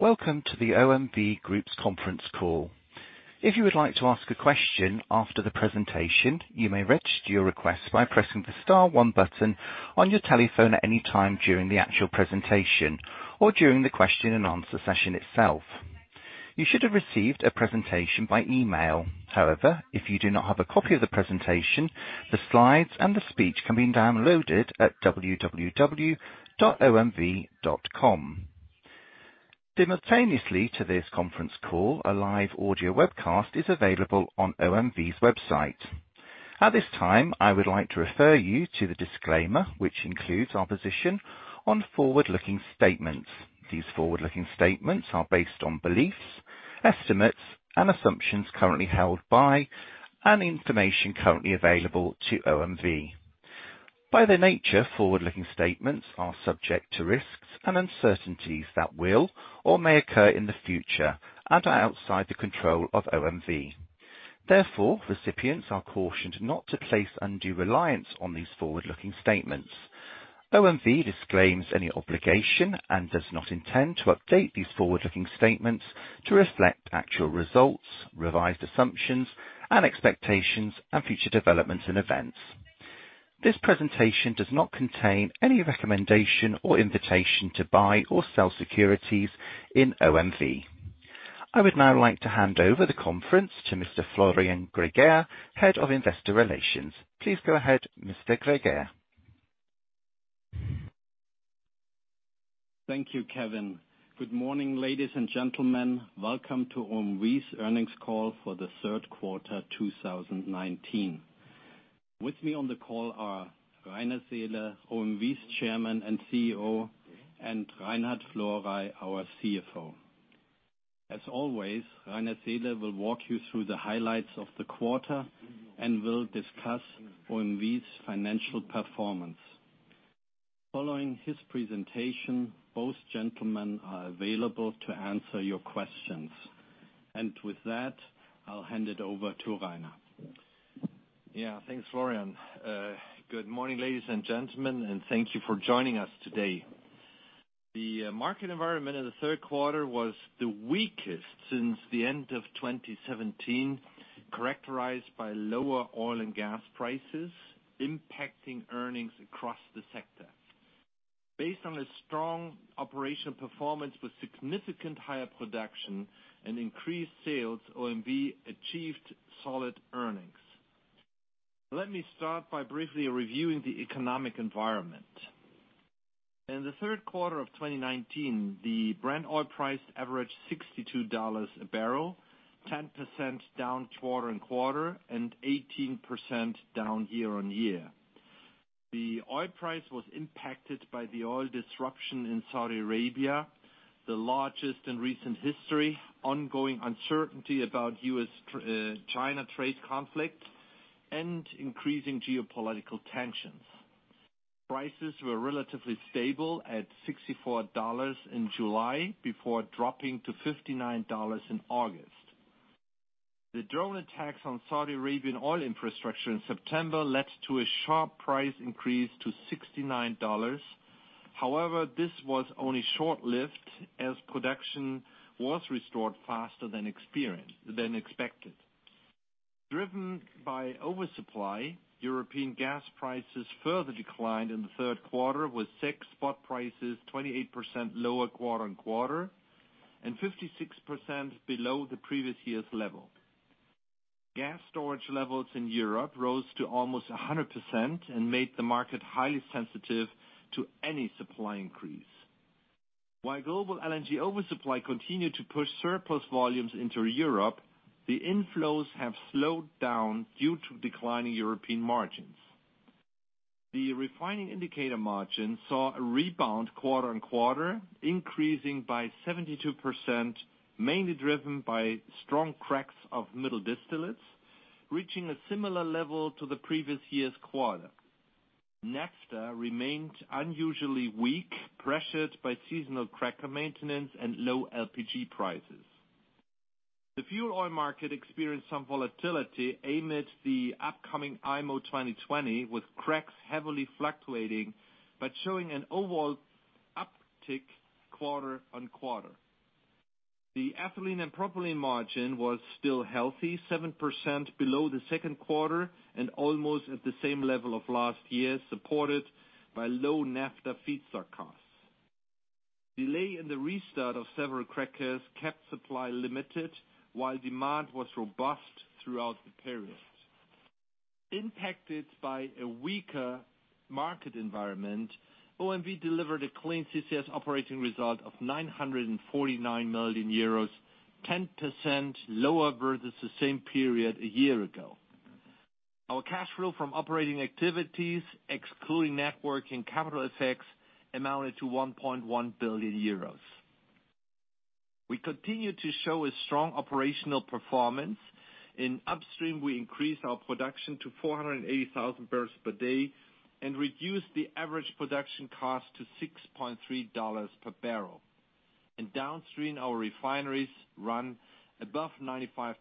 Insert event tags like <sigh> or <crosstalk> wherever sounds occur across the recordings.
Welcome to the OMV Group's conference call. If you would like to ask a question after the presentation, you may register your request by pressing the star one button on your telephone at any time during the actual presentation or during the question and answer session itself. You should have received a presentation by email. If you do not have a copy of the presentation, the slides and the speech can be downloaded at www.omv.com. Simultaneously to this conference call, a live audio webcast is available on OMV's website. At this time, I would like to refer you to the disclaimer, which includes our position on forward-looking statements. These forward-looking statements are based on beliefs, estimates, and assumptions currently held by, and information currently available to OMV. By their nature, forward-looking statements are subject to risks and uncertainties that will or may occur in the future and are outside the control of OMV. Recipients are cautioned not to place undue reliance on these forward-looking statements. OMV disclaims any obligation and does not intend to update these forward-looking statements to reflect actual results, revised assumptions, and expectations of future developments and events. This presentation does not contain any recommendation or invitation to buy or sell securities in OMV. I would now like to hand over the conference to Mr. Florian Greger, Head of Investor Relations. Please go ahead, Mr. Greger. Thank you, Kevin. Good morning, ladies and gentlemen. Welcome to OMV's earnings call for the third quarter 2019. With me on the call are Rainer Seele, OMV's Chairman and CEO, and Reinhard Florey, our CFO. As always, Rainer Seele will walk you through the highlights of the quarter and will discuss OMV's financial performance. Following his presentation, both gentlemen are available to answer your questions. With that, I'll hand it over to Rainer. Yeah. Thanks, Florian. Good morning, ladies and gentlemen, and thank you for joining us today. The market environment in the third quarter was the weakest since the end of 2017, characterized by lower oil and gas prices impacting earnings across the sector. Based on a strong operational performance with significant higher production and increased sales, OMV achieved solid earnings. Let me start by briefly reviewing the economic environment. In the third quarter of 2019, the Brent oil price averaged $62 a barrel, 10% down quarter on quarter and 18% down year on year. The oil price was impacted by the oil disruption in Saudi Arabia, the largest in recent history, ongoing uncertainty about U.S.-China trade conflict, and increasing geopolitical tensions. Prices were relatively stable at $64 in July before dropping to $59 in August. The drone attacks on Saudi Arabian oil infrastructure in September led to a sharp price increase to $69. This was only short-lived as production was restored faster than expected. Driven by oversupply, European gas prices further declined in the third quarter, with six spot prices 28% lower quarter-on-quarter and 56% below the previous year's level. Gas storage levels in Europe rose to almost 100% and made the market highly sensitive to any supply increase. While global LNG oversupply continued to push surplus volumes into Europe, the inflows have slowed down due to declining European margins. The refining indicator margin saw a rebound quarter-on-quarter, increasing by 72%, mainly driven by strong cracks of middle distillates, reaching a similar level to the previous year's quarter. Naphtha remained unusually weak, pressured by seasonal cracker maintenance and low LPG prices. The fuel oil market experienced some volatility amid the upcoming IMO 2020, with cracks heavily fluctuating but showing an overall uptick quarter-on-quarter. The ethylene and propylene margin was still healthy, 7% below the second quarter and almost at the same level of last year, supported by low naphtha feedstock costs. Delay in the restart of several crackers kept supply limited, while demand was robust throughout the period. Impacted by a weaker market environment, OMV delivered a Clean CCS operating result of 949 million euros, 10% lower versus the same period a year ago. Our cash flow from operating activities, excluding net working capital effects, amounted to 1.1 billion euros. We continue to show a strong operational performance. In upstream, we increased our production to 480,000 barrels per day and reduced the average production cost to $6.30 per barrel. In downstream, our refineries run above 95%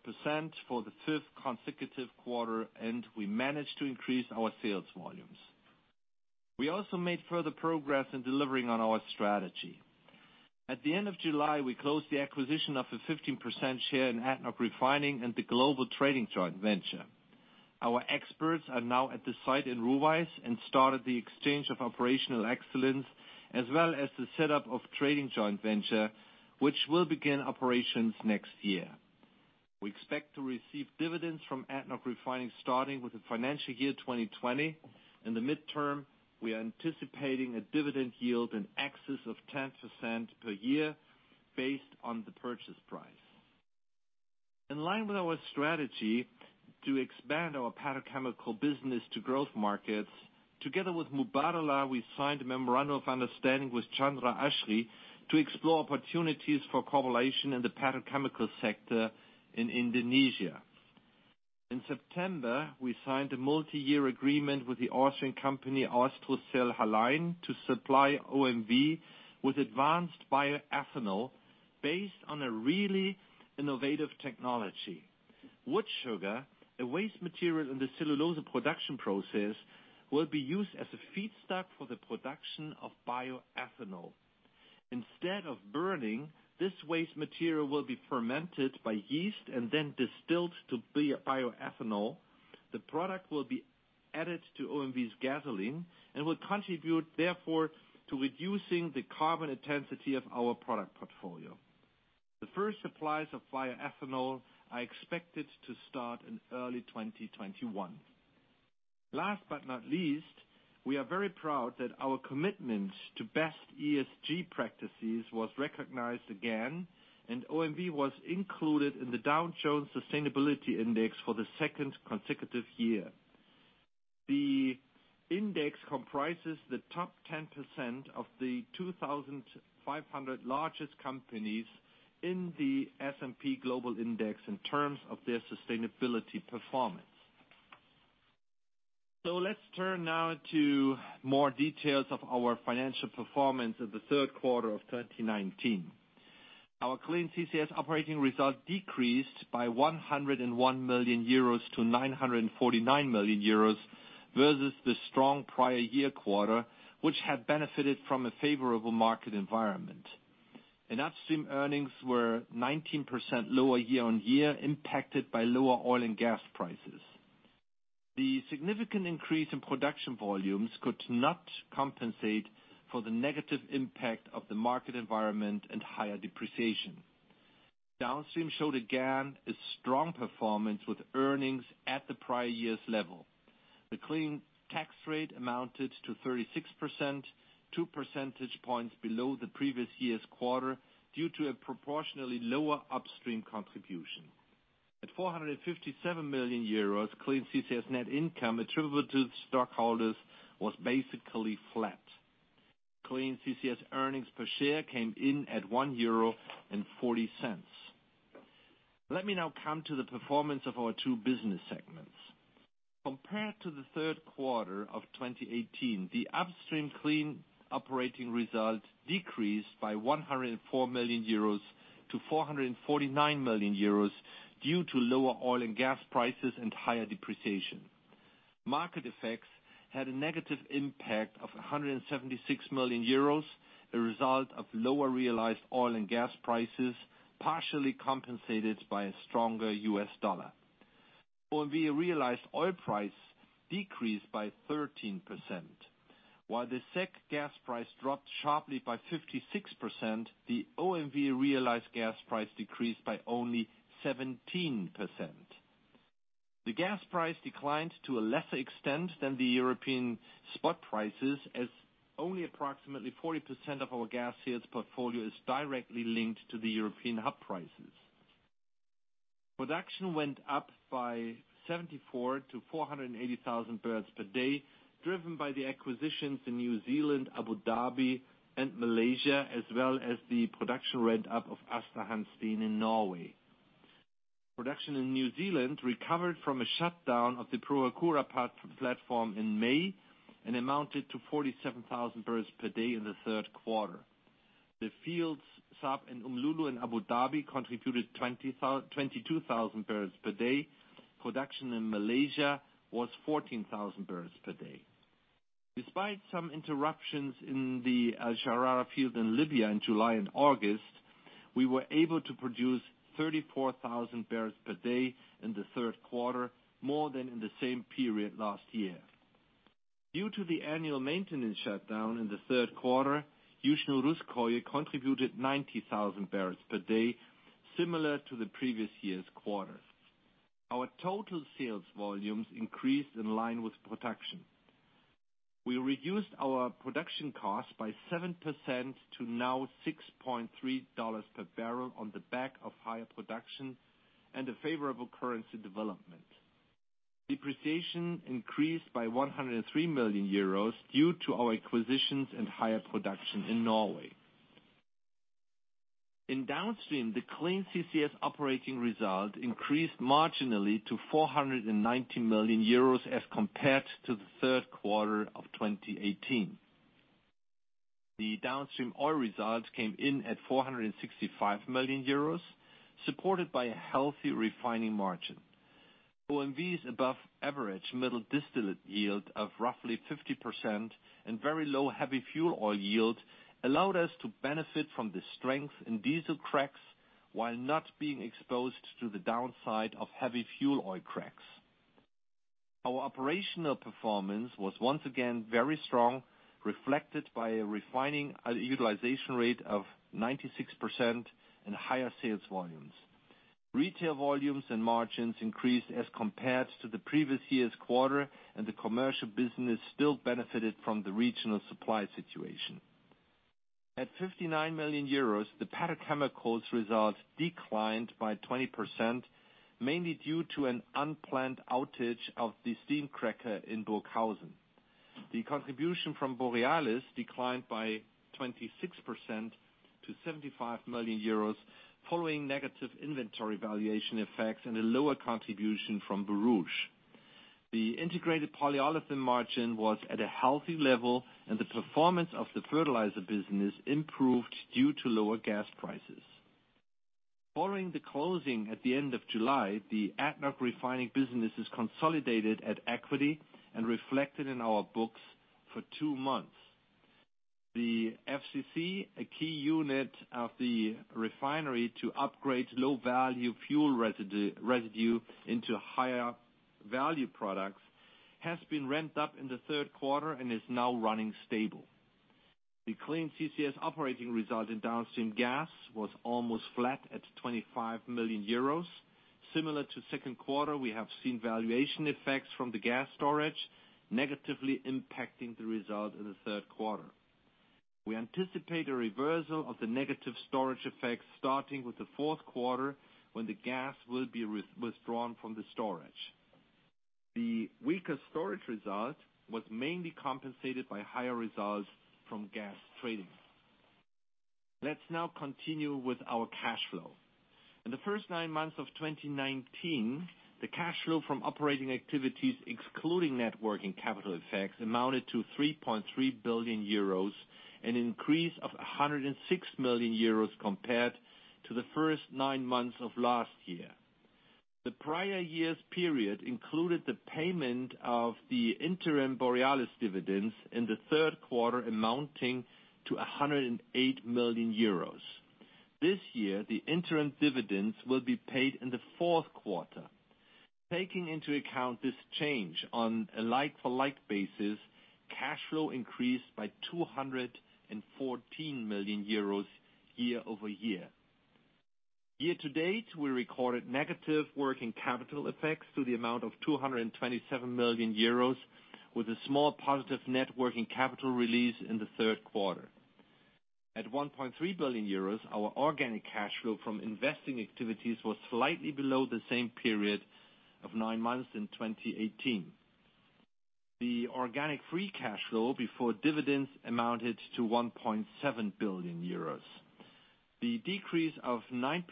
for the fifth consecutive quarter, and we managed to increase our sales volumes. We also made further progress in delivering on our strategy. At the end of July, we closed the acquisition of a 15% share in ADNOC Refining and the global trading joint venture. Our experts are now at the site in Ruwais and started the exchange of operational excellence, as well as the setup of trading joint venture, which will begin operations next year. We expect to receive dividends from ADNOC Refining starting with the financial year 2020. In the midterm, we are anticipating a dividend yield in excess of 10% per year based on the purchase price. In line with our strategy to expand our petrochemical business to growth markets, together with Mubadala, we signed a memorandum of understanding with Chandra Asri to explore opportunities for collaboration in the petrochemical sector in Indonesia. In September, we signed a multi-year agreement with the Austrian company AustroCel Hallein to supply OMV with advanced bioethanol based on a really innovative technology. Wood sugar, a waste material in the cellulose production process, will be used as a feedstock for the production of bioethanol. Instead of burning, this waste material will be fermented by yeast and then distilled to bioethanol. The product will be added to OMV's gasoline and will contribute therefore to reducing the carbon intensity of our product portfolio. The first supplies of bioethanol are expected to start in early 2021. Last but not least, we are very proud that our commitment to best ESG practices was recognized again, OMV was included in the Dow Jones Sustainability Index for the second consecutive year. The index comprises the top 10% of the 2,500 largest companies in the S&P Global Index in terms of their sustainability performance. Let's turn now to more details of our financial performance in the third quarter of 2019. Our Clean CCS operating result decreased by 101 million euros to 949 million euros, versus the strong prior year quarter, which had benefited from a favorable market environment. Upstream earnings were 19% lower year-on-year, impacted by lower oil and gas prices. The significant increase in production volumes could not compensate for the negative impact of the market environment and higher depreciation. Downstream showed again a strong performance with earnings at the prior year's level. The Clean tax rate amounted to 36%, two percentage points below the previous year's quarter due to a proportionally lower Upstream contribution. At 457 million euros, Clean CCS net income attributable to the stockholders was basically flat. Clean CCS earnings per share came in at 1.40 euro. Let me now come to the performance of our two business segments. Compared to the third quarter of 2018, the Upstream Clean operating result decreased by 104 million euros to 449 million euros due to lower oil and gas prices and higher depreciation. Market effects had a negative impact of 176 million euros, a result of lower realized oil and gas prices, partially compensated by a stronger U.S. dollar. OMV realized oil price decreased by 13%. While the CEGH gas price dropped sharply by 56%, the OMV realized gas price decreased by only 17%. The gas price declined to a lesser extent than the European spot prices, as only approximately 40% of our gas sales portfolio is directly linked to the European hub prices. Production went up by 74 to 480,000 barrels per day, driven by the acquisitions in New Zealand, Abu Dhabi, and Malaysia, as well as the production ramp-up of Aasta Hansteen in Norway. Production in New Zealand recovered from a shutdown of the Pohokura platform in May and amounted to 47,000 barrels per day in the third quarter. The fields Sarb and Umm Lulu in Abu Dhabi contributed 22,000 barrels per day. Production in Malaysia was 14,000 barrels per day. Despite some interruptions in the Al Sharara field in Libya in July and August, we were able to produce 34,000 barrels per day in the third quarter, more than in the same period last year. Due to the annual maintenance shutdown in the third quarter, Yuzhno-Russkoye contributed 90,000 barrels per day, similar to the previous year's quarter. Our total sales volumes increased in line with production. We reduced our production cost by 7% to now EUR 6.30 per barrel on the back of higher production and a favorable currency development. Depreciation increased by 103 million euros due to our acquisitions and higher production in Norway. In downstream, the Clean CCS operating result increased marginally to 490 million euros as compared to the third quarter of 2018. The downstream oil results came in at 465 million euros, supported by a healthy refining margin. OMV's above-average middle distillate yield of roughly 50% and very low heavy fuel oil yield allowed us to benefit from the strength in diesel cracks while not being exposed to the downside of heavy fuel oil cracks. Our operational performance was once again very strong, reflected by a refining utilization rate of 96% and higher sales volumes. Retail volumes and margins increased as compared to the previous year's quarter, and the commercial business still benefited from the regional supply situation. At 59 million euros, the petrochemicals results declined by 20%, mainly due to an unplanned outage of the steam cracker in Burghausen. The contribution from Borealis declined by 26% to 75 million euros following negative inventory valuation effects and a lower contribution from Borouge. The integrated polyolefin margin was at a healthy level, and the performance of the fertilizer business improved due to lower gas prices. Following the closing at the end of July, the ADNOC Refining business is consolidated at equity and reflected in our books for two months. The FCC, a key unit of the refinery to upgrade low-value fuel residue into higher value products, has been ramped up in the third quarter and is now running stable. The Clean CCS operating result in downstream gas was almost flat at 25 million euros. Similar to second quarter, we have seen valuation effects from the gas storage negatively impacting the result in the third quarter. We anticipate a reversal of the negative storage effects starting with the fourth quarter when the gas will be withdrawn from the storage. The weaker storage result was mainly compensated by higher results from gas trading. Let's now continue with our cash flow. In the first nine months of 2019, the cash flow from operating activities, excluding net working capital effects, amounted to 3.3 billion euros, an increase of 106 million euros compared to the first nine months of last year. The prior year's period included the payment of the interim Borealis dividends in the third quarter, amounting to 108 million euros. This year, the interim dividends will be paid in the fourth quarter. Taking into account this change on a like-for-like basis, cash flow increased by EUR 214 million year-over-year. Year-to-date, we recorded negative working capital effects to the amount of 227 million euros with a small positive net working capital release in the third quarter. At 1.3 billion euros, our organic cash flow from investing activities was slightly below the same period of nine months in 2018. The organic free cash flow before dividends amounted to 1.7 billion euros. The decrease of 9%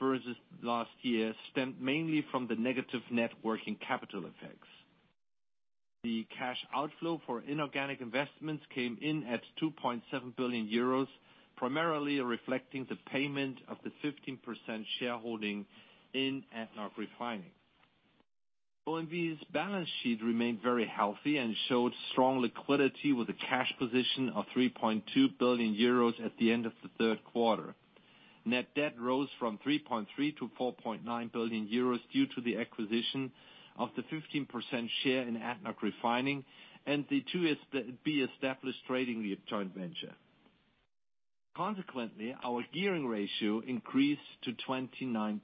versus last year stemmed mainly from the negative net working capital effects. The cash outflow for inorganic investments came in at 2.7 billion euros, primarily reflecting the payment of the 15% shareholding in ADNOC Refining. OMV's balance sheet remained very healthy and showed strong liquidity with a cash position of 3.2 billion euros at the end of the third quarter. Net debt rose from 3.3 billion to 4.9 billion euros due to the acquisition of the 15% share in ADNOC Refining and the to be established trading joint venture. Our gearing ratio increased to 29%.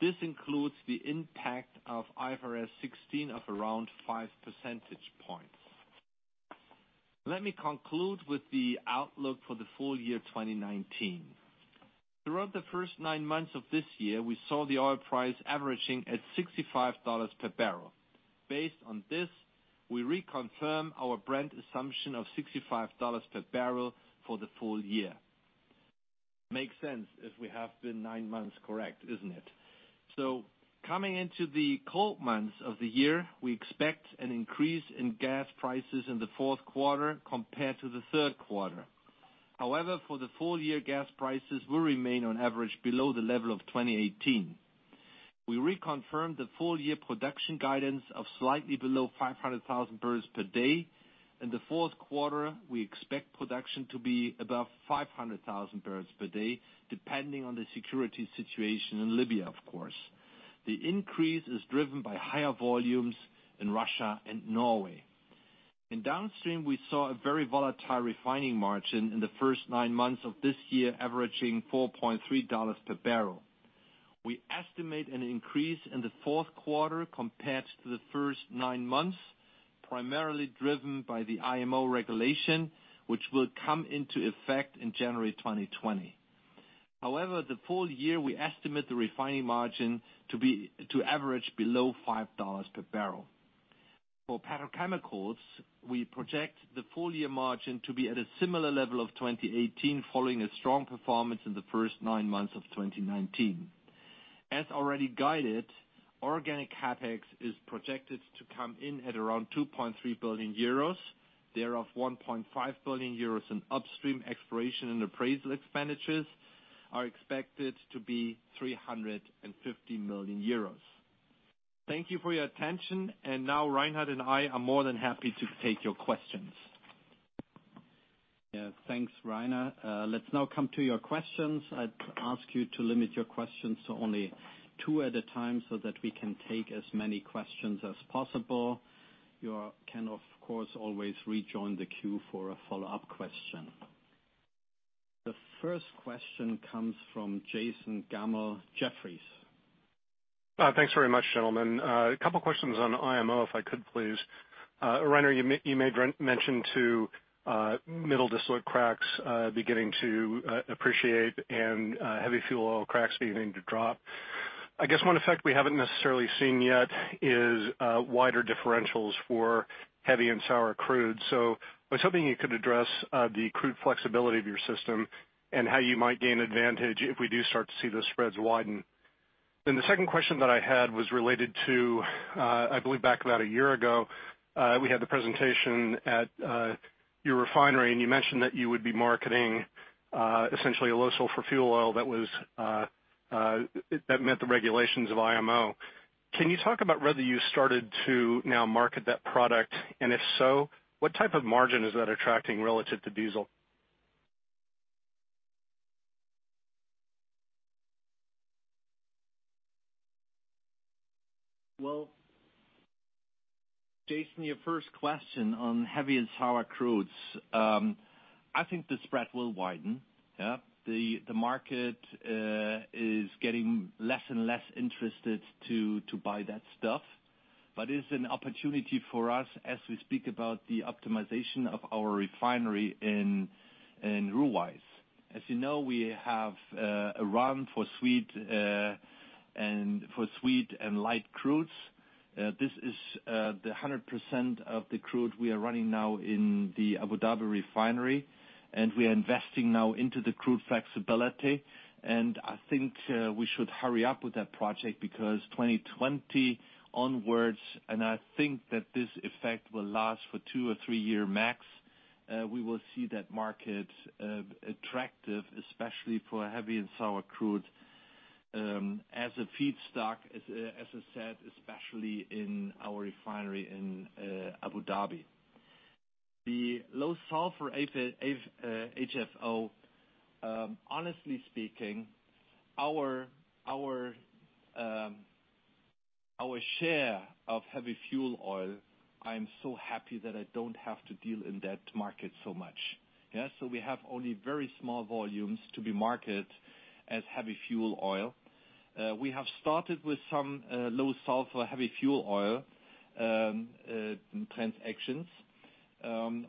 This includes the impact of IFRS 16 of around five percentage points. Let me conclude with the outlook for the full year 2019. Throughout the first nine months of this year, we saw the oil price averaging at $65 per barrel. Based on this, we reconfirm our Brent assumption of $65 per barrel for the full year. Makes sense if we have been nine months correct, isn't it? Coming into the cold months of the year, we expect an increase in gas prices in the fourth quarter compared to the third quarter. However, for the full year, gas prices will remain on average below the level of 2018. We reconfirm the full year production guidance of slightly below 500,000 barrels per day. In the fourth quarter, we expect production to be above 500,000 barrels per day, depending on the security situation in Libya, of course. The increase is driven by higher volumes in Russia and Norway. In downstream, we saw a very volatile refining margin in the first nine months of this year, averaging $4.30 per barrel. We estimate an increase in the fourth quarter compared to the first nine months, primarily driven by the IMO regulation, which will come into effect in January 2020. The full year we estimate the refining margin to average below $5 per barrel. For petrochemicals, we project the full year margin to be at a similar level of 2018 following a strong performance in the first nine months of 2019. As already guided, organic CapEx is projected to come in at around 2.3 billion euros, thereof 1.5 billion euros in upstream exploration and appraisal expenditures are expected to be 350 million euros. Thank you for your attention, now Reinhard and I are more than happy to take your questions. Yeah. Thanks, Rainer. Let's now come to your questions. I'd ask you to limit your questions to only two at a time so that we can take as many questions as possible. You can, of course, always rejoin the queue for a follow-up question. The first question comes from Jason Gammel, Jefferies. Thanks very much, gentlemen. A couple questions on IMO if I could, please. Rainer, you made mention to middle distillate cracks beginning to appreciate and heavy fuel oil cracks beginning to drop. I guess one effect we haven't necessarily seen yet is wider differentials for heavy and sour crude. I was hoping you could address the crude flexibility of your system and how you might gain advantage if we do start to see those spreads widen. The second question that I had was related to, I believe back about a year ago, we had the presentation at your refinery, and you mentioned that you would be marketing essentially a low sulfur fuel oil that meant the regulations of IMO. Can you talk about whether you started to now market that product, and if so, what type of margin is that attracting relative to diesel? Well, Jason, your first question on heavy and sour crudes. I think the spread will widen. Yeah. The market is getting less and less interested to buy that stuff. It is an opportunity for us as we speak about the optimization of our refinery in Ruwais. As you know, we have a run for sweet and light crudes. This is the 100% of the crude we are running now in the Abu Dhabi refinery. We are investing now into the crude flexibility. I think we should hurry up with that project because 2020 onwards, and I think that this effect will last for two or three year max, we will see that market attractive, especially for heavy and sour crude, as a feedstock, as I said, especially in our refinery in Abu Dhabi. The low sulfur HFO, honestly speaking, our share of heavy fuel oil, I am so happy that I don't have to deal in that market so much. Yeah. We have only very small volumes to be marketed as heavy fuel oil. We have started with some low sulfur heavy fuel oil transactions.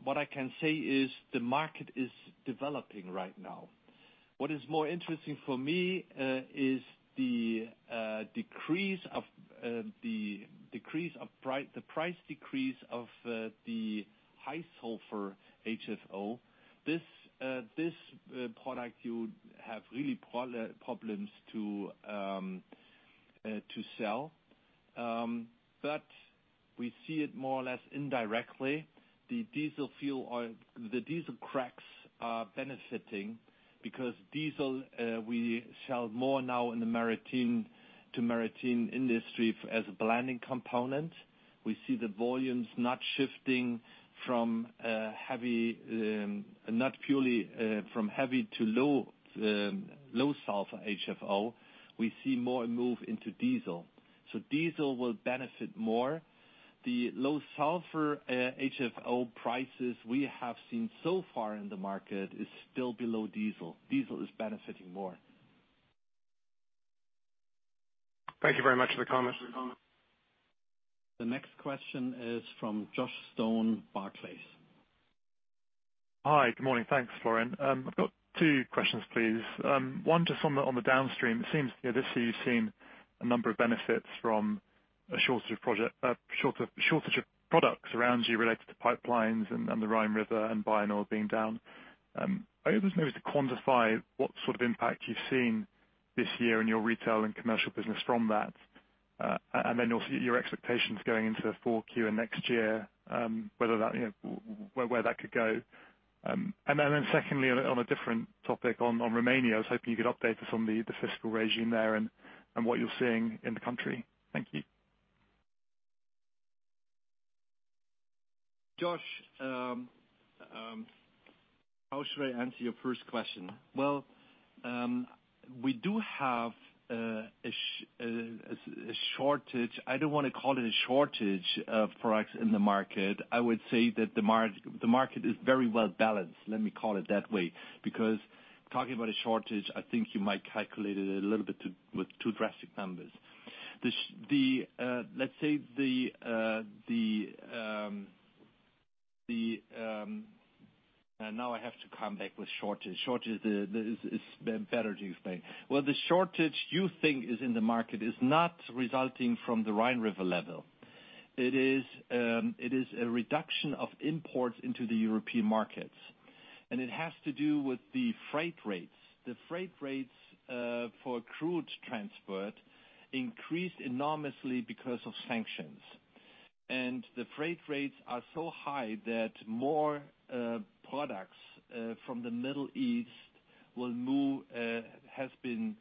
What I can say is the market is developing right now. What is more interesting for me is the price decrease of the high sulfur HFO. This product you have really problems to sell. We see it more or less indirectly. The diesel cracks are benefiting because diesel, we sell more now to maritime industry as a blending component. We see the volumes not shifting from heavy to low sulfur HFO. We see more a move into diesel. Diesel will benefit more. The low sulfur HFO prices we have seen so far in the market is still below diesel. Diesel is benefiting more. Thank you very much for the comment. The next question is from Joshua Stone, Barclays. Hi. Good morning. Thanks, Florian. I've got two questions, please. One just on the downstream. It seems this year you've seen a number of benefits from a shortage of products around you related to pipelines and the Rhine River and Bayernoil being down. I was wondering if you could quantify what sort of impact you've seen this year in your retail and commercial business from that, then also your expectations going into the fourth Q and next year, where that could go. Then secondly, on a different topic, on Romania, I was hoping you could update us on the fiscal regime there and what you're seeing in the country. Thank you. Josh, how should I answer your first question? Well, we do have a shortage. I don't want to call it a shortage of products in the market. I would say that the market is very well balanced, let me call it that way, because talking about a shortage, I think you might calculate it a little bit with too drastic numbers. Now I have to come back with shortage. Shortage is better, do you think. Well, the shortage you think is in the market is not resulting from the Rhine River level. It is a reduction of imports into the European markets. It has to do with the freight rates. The freight rates for crude transport increased enormously because of sanctions. The freight rates are so high that more products from the Middle East has been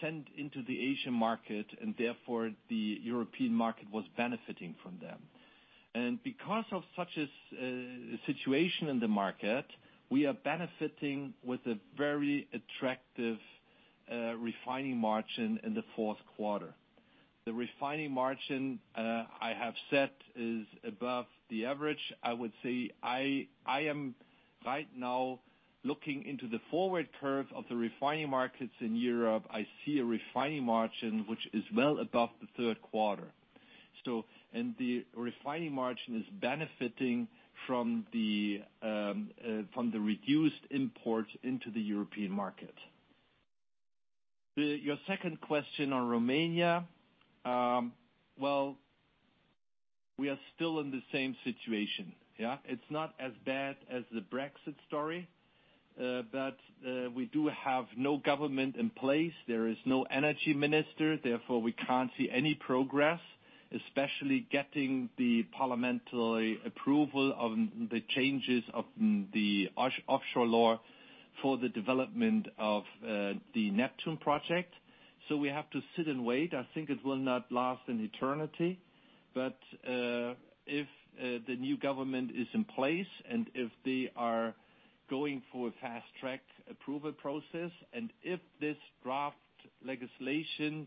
sent into the Asian market, and therefore the European market was benefiting from them. Because of such a situation in the market, we are benefiting with a very attractive refining margin in the fourth quarter. The refining margin I have set is above the average. I would say I am right now looking into the forward curve of the refining markets in Europe. I see a refining margin which is well above the third quarter. The refining margin is benefiting from the reduced imports into the European market. Your second question on Romania. Well, we are still in the same situation. Yeah. It's not as bad as the Brexit story. We do have no government in place. There is no energy minister, therefore we can't see any progress, especially getting the parliamentary approval of the changes of the offshore law for the development of the Neptun project. We have to sit and wait. I think it will not last an eternity. If the new government is in place and if they are going for a fast-track approval process, and if this draft legislation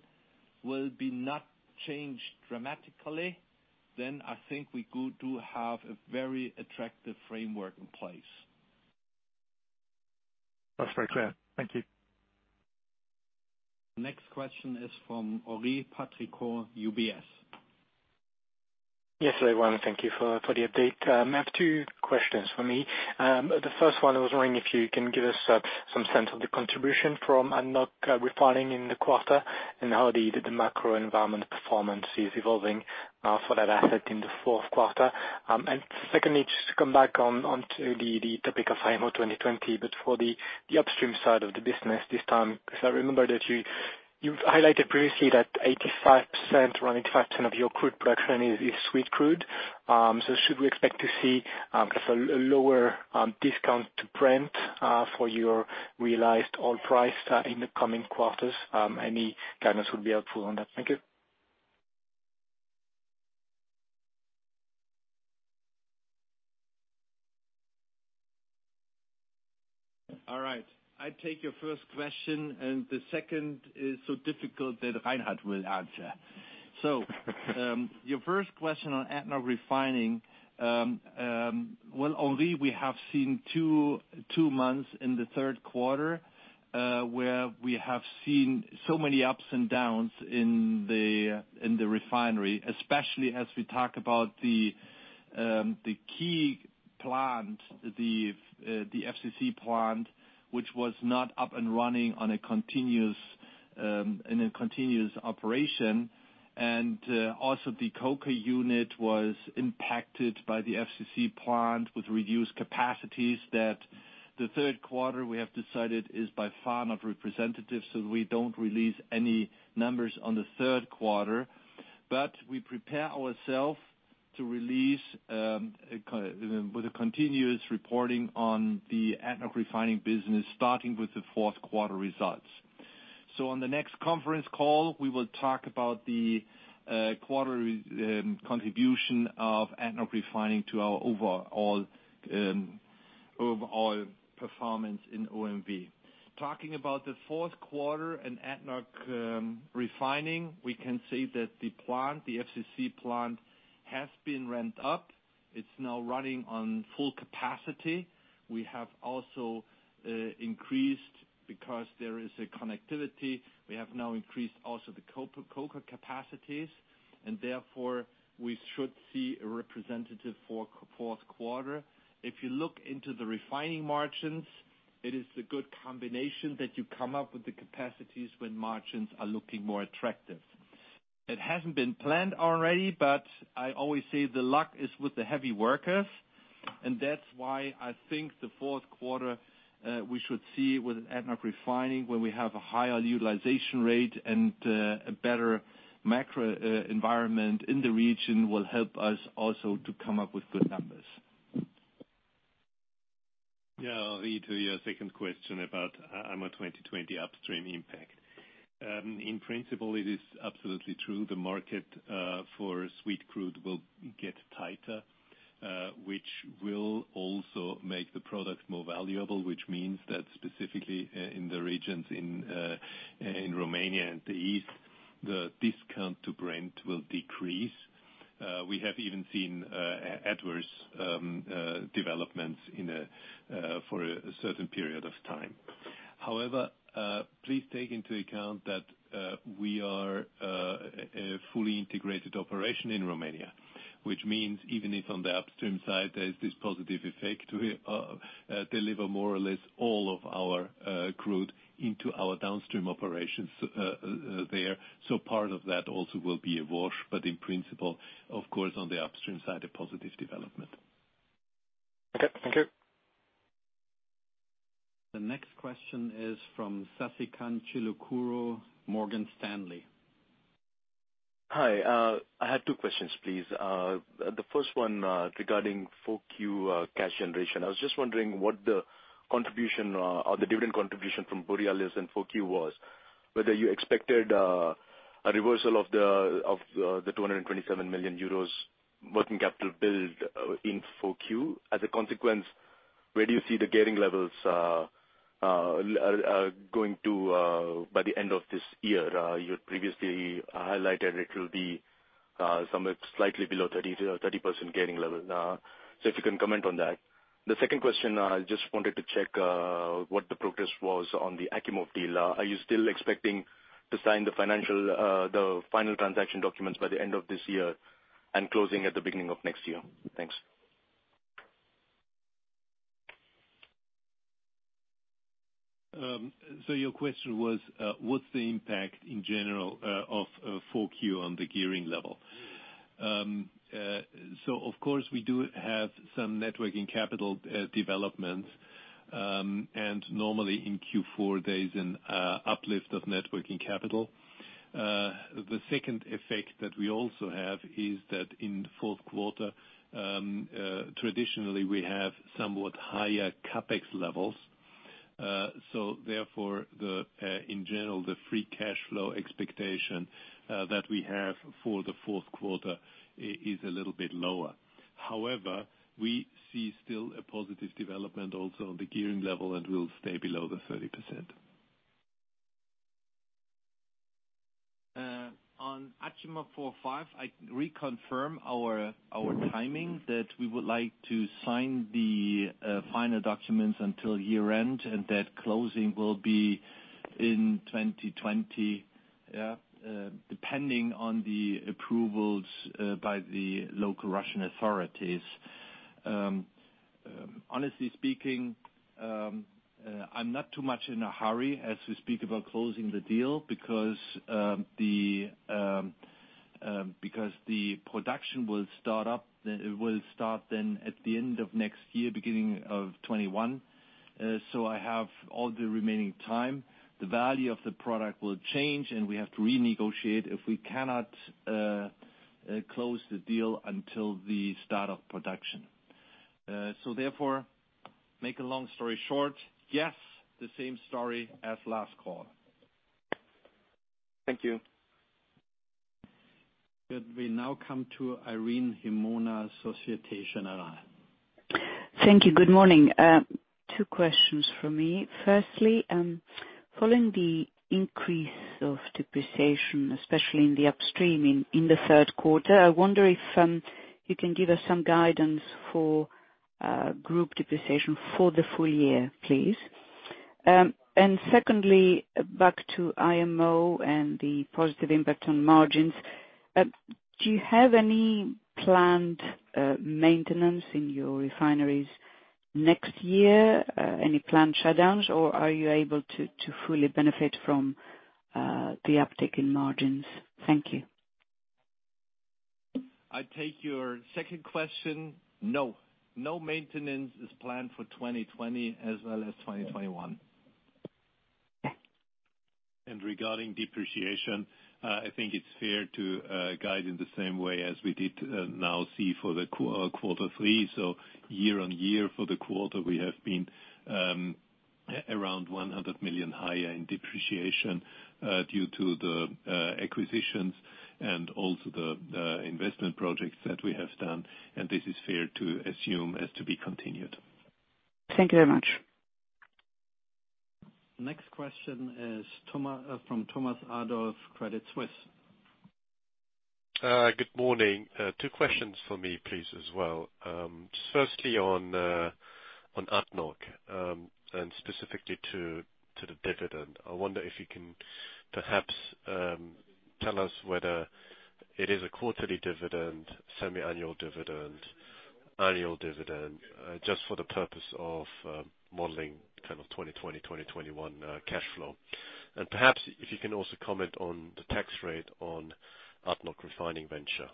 will be not changed dramatically, I think we do have a very attractive framework in place. That's very clear. Thank you. Next question is from Henri Patricot, UBS. Yes. Hello, everyone. Thank you for the update. I have two questions for me. The first one, I was wondering if you can give us some sense of the contribution from ADNOC Refining in the quarter, and how the macro environment performance is evolving for that asset in the fourth quarter. Secondly, just to come back onto the topic of IMO 2020, but for the upstream side of the business this time, because I remember that you've highlighted previously that 85% running fraction of your crude production is sweet crude. Should we expect to see a lower discount to Brent for your realized oil price in the coming quarters? Any guidance would be helpful on that. Thank you. All right. I take your first question, the second is so difficult that Reinhard will answer. Your first question on ADNOC Refining. Well, Henri, we have seen two months in the third quarter, where we have seen so many ups and downs in the refinery, especially as we talk about the key plant, the FCC plant, which was not up and running in a continuous operation. Also the coker unit was impacted by the FCC plant with reduced capacities that the third quarter we have decided is by far not representative, we don't release any numbers on the third quarter. We prepare ourself to release with a continuous reporting on the ADNOC Refining business, starting with the fourth quarter results. On the next conference call, we will talk about the quarter contribution of ADNOC Refining to our overall performance in OMV. Talking about the fourth quarter and ADNOC Refining, we can say that the plant, the FCC plant, has been ramped up. It is now running on full capacity. We have also increased because there is a connectivity. We have now increased also the coker capacities, and therefore we should see a representative fourth quarter. If you look into the refining margins, it is a good combination that you come up with the capacities when margins are looking more attractive. It hasn't been planned already, but I always say the luck is with the heavy workers, and that's why I think the fourth quarter, we should see with ADNOC Refining when we have a higher utilization rate and a better macro environment in the region will help us also to come up with good numbers. Henri, to your second question about IMO 2020 upstream impact. In principle, it is absolutely true. The market for sweet crude will get tighter, which will also make the product more valuable, which means that specifically in the regions in Romania and the East, the discount to Brent will decrease. We have even seen adverse developments for a certain period of time. However, please take into account that we are a fully integrated operation in Romania, which means even if on the upstream side, there's this positive effect to deliver more or less all of our crude into our downstream operations there. Part of that also will be a wash, but in principle, of course, on the upstream side, a positive development. Okay, thank you. The next question is from Sasikanth Chilukuru, Morgan Stanley. Hi. I had two questions, please. The first one regarding 4Q cash generation. I was just wondering what the dividend contribution from Borealis in 4Q was, whether you expected a reversal of the 227 million euros working capital build in 4Q? As a consequence, where do you see the gearing levels going to by the end of this year? You had previously highlighted it will be somewhat slightly below 30% gearing level. If you can comment on that. The second question, I just wanted to check what the progress was on the Achimov deal. Are you still expecting to sign the final transaction documents by the end of this year and closing at the beginning of next year? Thanks. Your question was, what's the impact in general of 4Q on the gearing level? Of course, we do have some networking capital developments, and normally in Q4, there is an uplift of networking capital. The second effect that we also have is that in the fourth quarter, traditionally we have somewhat higher CapEx levels. Therefore, in general, the free cash flow expectation that we have for the fourth quarter is a little bit lower. However, we see still a positive development also on the gearing level, and we'll stay below the 30%. On Achimov 4, 5, I reconfirm our timing that we would like to sign the final documents until year-end, and that closing will be in 2020, depending on the approvals by the local Russian authorities. Honestly speaking, I'm not too much in a hurry as we speak about closing the deal because the production will start then at the end of next year, beginning of 2021. I have all the remaining time. The value of the product will change, and we have to renegotiate if we cannot close the deal until the start of production. Therefore, make a long story short, yes, the same story as last call. Thank you. Good. We now come to Irene Himona, Societe Generale. Thank you. Good morning. Two questions from me. Firstly, following the increase of depreciation, especially in the upstreaming in the third quarter, I wonder if you can give us some guidance for group depreciation for the full year, please. Secondly, back to IMO and the positive impact on margins. Do you have any planned maintenance in your refineries next year? Any planned shutdowns, or are you able to fully benefit from the uptick in margins? Thank you. I take your second question. No. No maintenance is planned for 2020 as well as 2021. Regarding depreciation, I think it's fair to guide in the same way as we did now for the quarter three. Year-on-year for the quarter, we have been around 100 million higher in depreciation due to the acquisitions and also the investment projects that we have done, and this is fair to assume as to be continued. Thank you very much. Next question is from Thomas Adolff, Credit Suisse. Good morning. Two questions for me, please, as well. Firstly, on ADNOC, specifically to the dividend. I wonder if you can perhaps tell us whether it is a quarterly dividend, semi-annual dividend, annual dividend, just for the purpose of modeling kind of 2020, 2021 cash flow. Perhaps if you can also comment on the tax rate on ADNOC Refining venture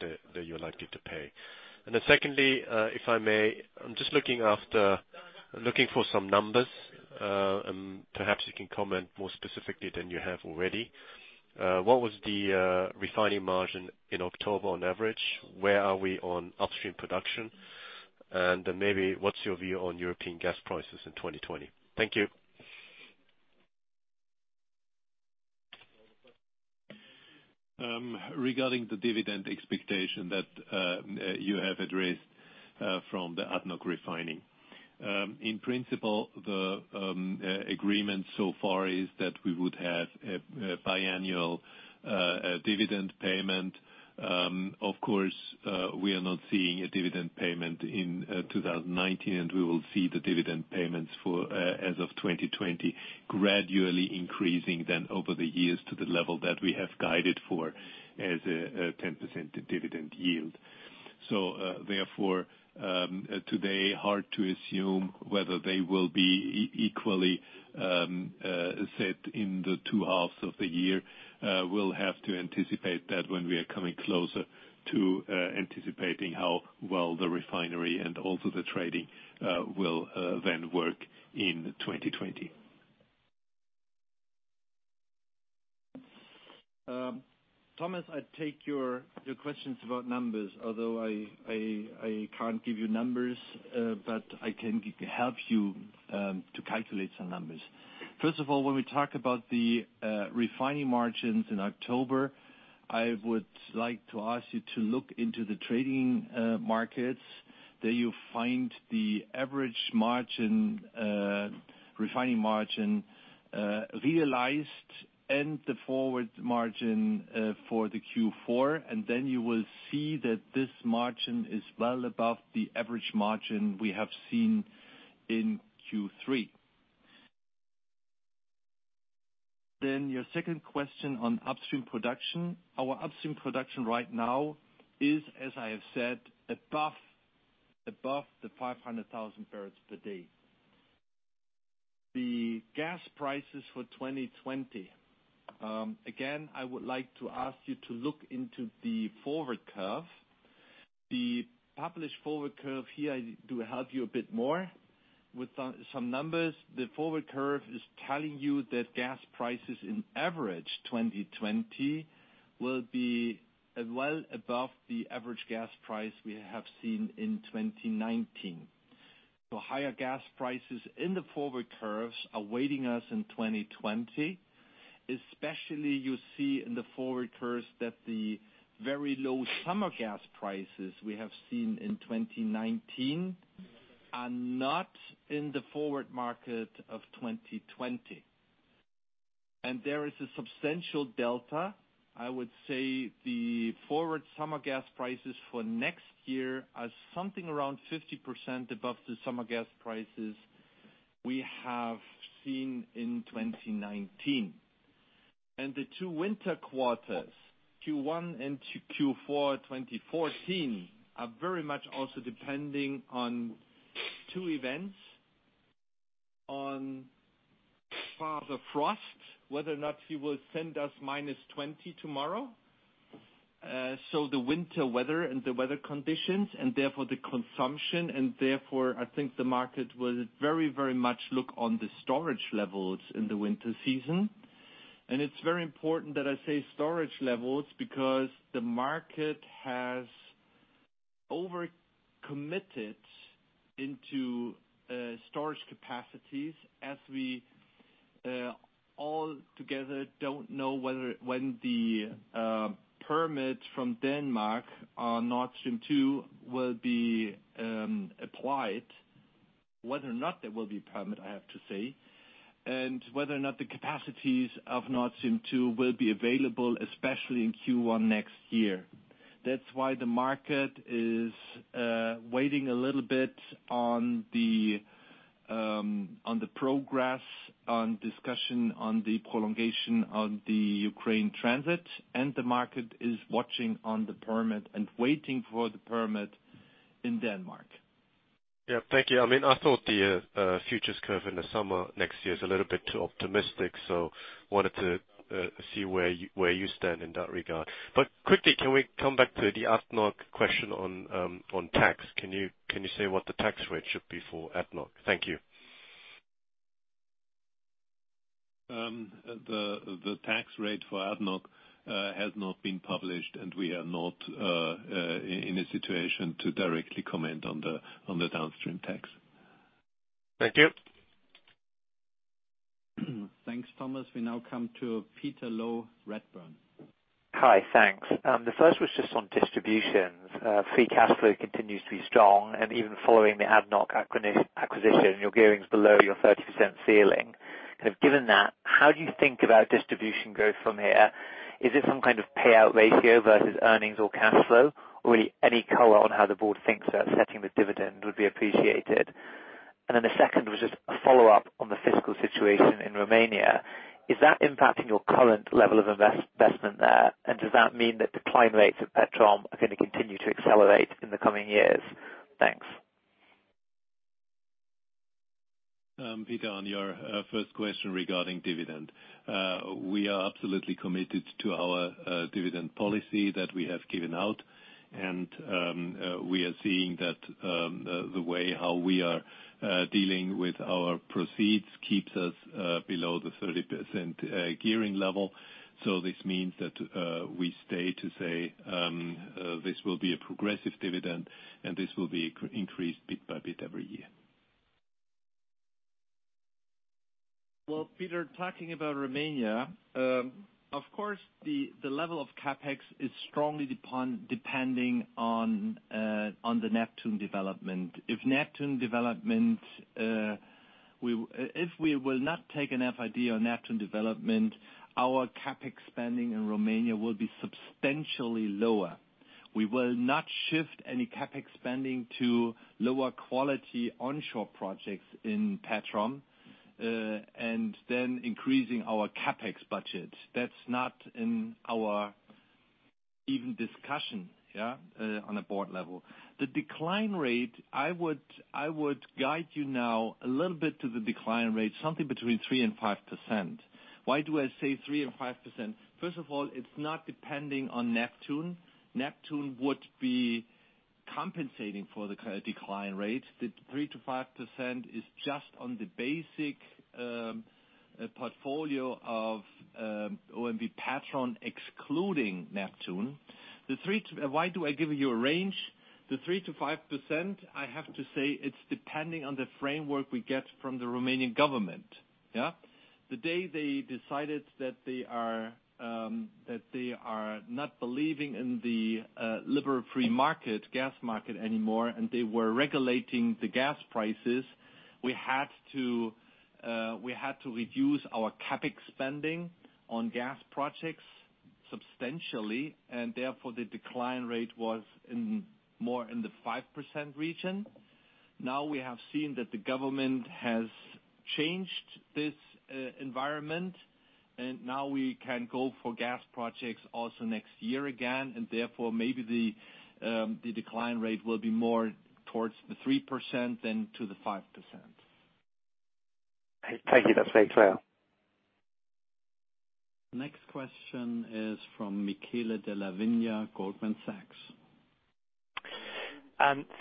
that you're likely to pay. Secondly, if I may, I'm just looking for some numbers. Perhaps you can comment more specifically than you have already. What was the refining margin in October on average? Where are we on upstream production? Maybe, what's your view on European gas prices in 2020? Thank you. Regarding the dividend expectation that you have addressed from the ADNOC Refining. In principle, the agreement so far is that we would have a biannual dividend payment. Of course, we are not seeing a dividend payment in 2019, and we will see the dividend payments as of 2020 gradually increasing then over the years to the level that we have guided for as a 10% dividend yield. Therefore, today, hard to assume whether they will be equally set in the two halves of the year. We'll have to anticipate that when we are coming closer to anticipating how well the refinery and also the trading will then work in 2020. Thomas, I take your questions about numbers. Although I can't give you numbers, but I can help you to calculate some numbers. First of all, when we talk about the refining margins in October, I would like to ask you to look into the trading markets. There you find the average refining margin realized, and the forward margin for the Q4, and then you will see that this margin is well above the average margin we have seen in Q3. Your second question on upstream production. Our upstream production right now is, as I have said, above the 500,000 barrels per day. The gas prices for 2020. Again, I would like to ask you to look into the forward curve. The published forward curve here, I do help you a bit more with some numbers. The forward curve is telling you that gas prices in average 2020 will be well above the average gas price we have seen in 2019. Higher gas prices in the forward curves are waiting us in 2020. Especially you see in the forward curves that the very low summer gas prices we have seen in 2019 are not in the forward market of 2020. There is a substantial delta. I would say the forward summer gas prices for next year are something around 50% above the summer gas prices we have seen in 2019. The two winter quarters, Q1 and Q4 [2019], are very much also depending on two events. On Father Frost, whether or not he will send us -20 tomorrow. The winter weather and the weather conditions, and therefore the consumption, and therefore I think the market will very much look on the storage levels in the winter season. It's very important that I say storage levels because the market has over-committed into storage capacities as we all together don't know when the permit from Denmark on Nord Stream 2 will be applied. Whether or not there will be a permit, I have to say, and whether or not the capacities of Nord Stream 2 will be available, especially in Q1 next year. That's why the market is waiting a little bit on the progress on discussion on the prolongation of the Ukraine transit, and the market is watching on the permit and waiting for the permit in Denmark. Yeah. Thank you. I thought the futures curve in the summer next year is a little bit too optimistic, wanted to see where you stand in that regard. Quickly, can we come back to the ADNOC question on tax? Can you say what the tax rate should be for ADNOC? Thank you. The tax rate for ADNOC has not been published, and we are not in a situation to directly comment on the downstream tax. Thank you. Thanks, Thomas. We now come to Peter Low, Redburn. Hi, thanks. The first was just on distributions. Free cash flow continues to be strong, even following the ADNOC acquisition, your gearing is below your 30% ceiling. Given that, how do you think about distribution growth from here? Is it some kind of payout ratio versus earnings or cash flow? Really any color on how the board thinks about setting the dividend would be appreciated. The second was just a follow-up on the fiscal situation in Romania. Is that impacting your current level of investment there? Does that mean that decline rates at Petrom are going to continue to accelerate in the coming years? Thanks. Peter, on your first question regarding dividend. We are absolutely committed to our dividend policy that we have given out. We are seeing that the way how we are dealing with our proceeds keeps us below the 30% gearing level. This means that we stay to say this will be a progressive dividend, and this will be increased bit by bit every year. Well, Peter, talking about Romania, of course, the level of CapEx is strongly depending on the Neptun development. If we will not take an FID on Neptun development, our CapEx spending in Romania will be substantially lower. We will not shift any CapEx spending to lower quality onshore projects in Petrom, and then increasing our CapEx budget. That's not in our even discussion on a board level. The decline rate, I would guide you now a little bit to the decline rate, something between 3%-5%. Why do I say 3% and 5%? First of all, it's not depending on Neptun. Neptun would be compensating for the decline rate. The 3%-5% is just on the basic portfolio of OMV Petrom, excluding Neptun. Why do I give you a range? The 3%-5%, I have to say, it's depending on the framework we get from the Romanian government. Yeah? The day they decided that they are not believing in the liberal free market, gas market anymore, and they were regulating the gas prices, we had to reduce our CapEx spending on gas projects substantially, and therefore the decline rate was more in the 5% region. Now we have seen that the government has changed this environment, and now we can go for gas projects also next year again, and therefore, maybe the decline rate will be more towards the 3% than to the 5%. Thank you. That's very clear. Next question is from Michele Della Vigna, Goldman Sachs.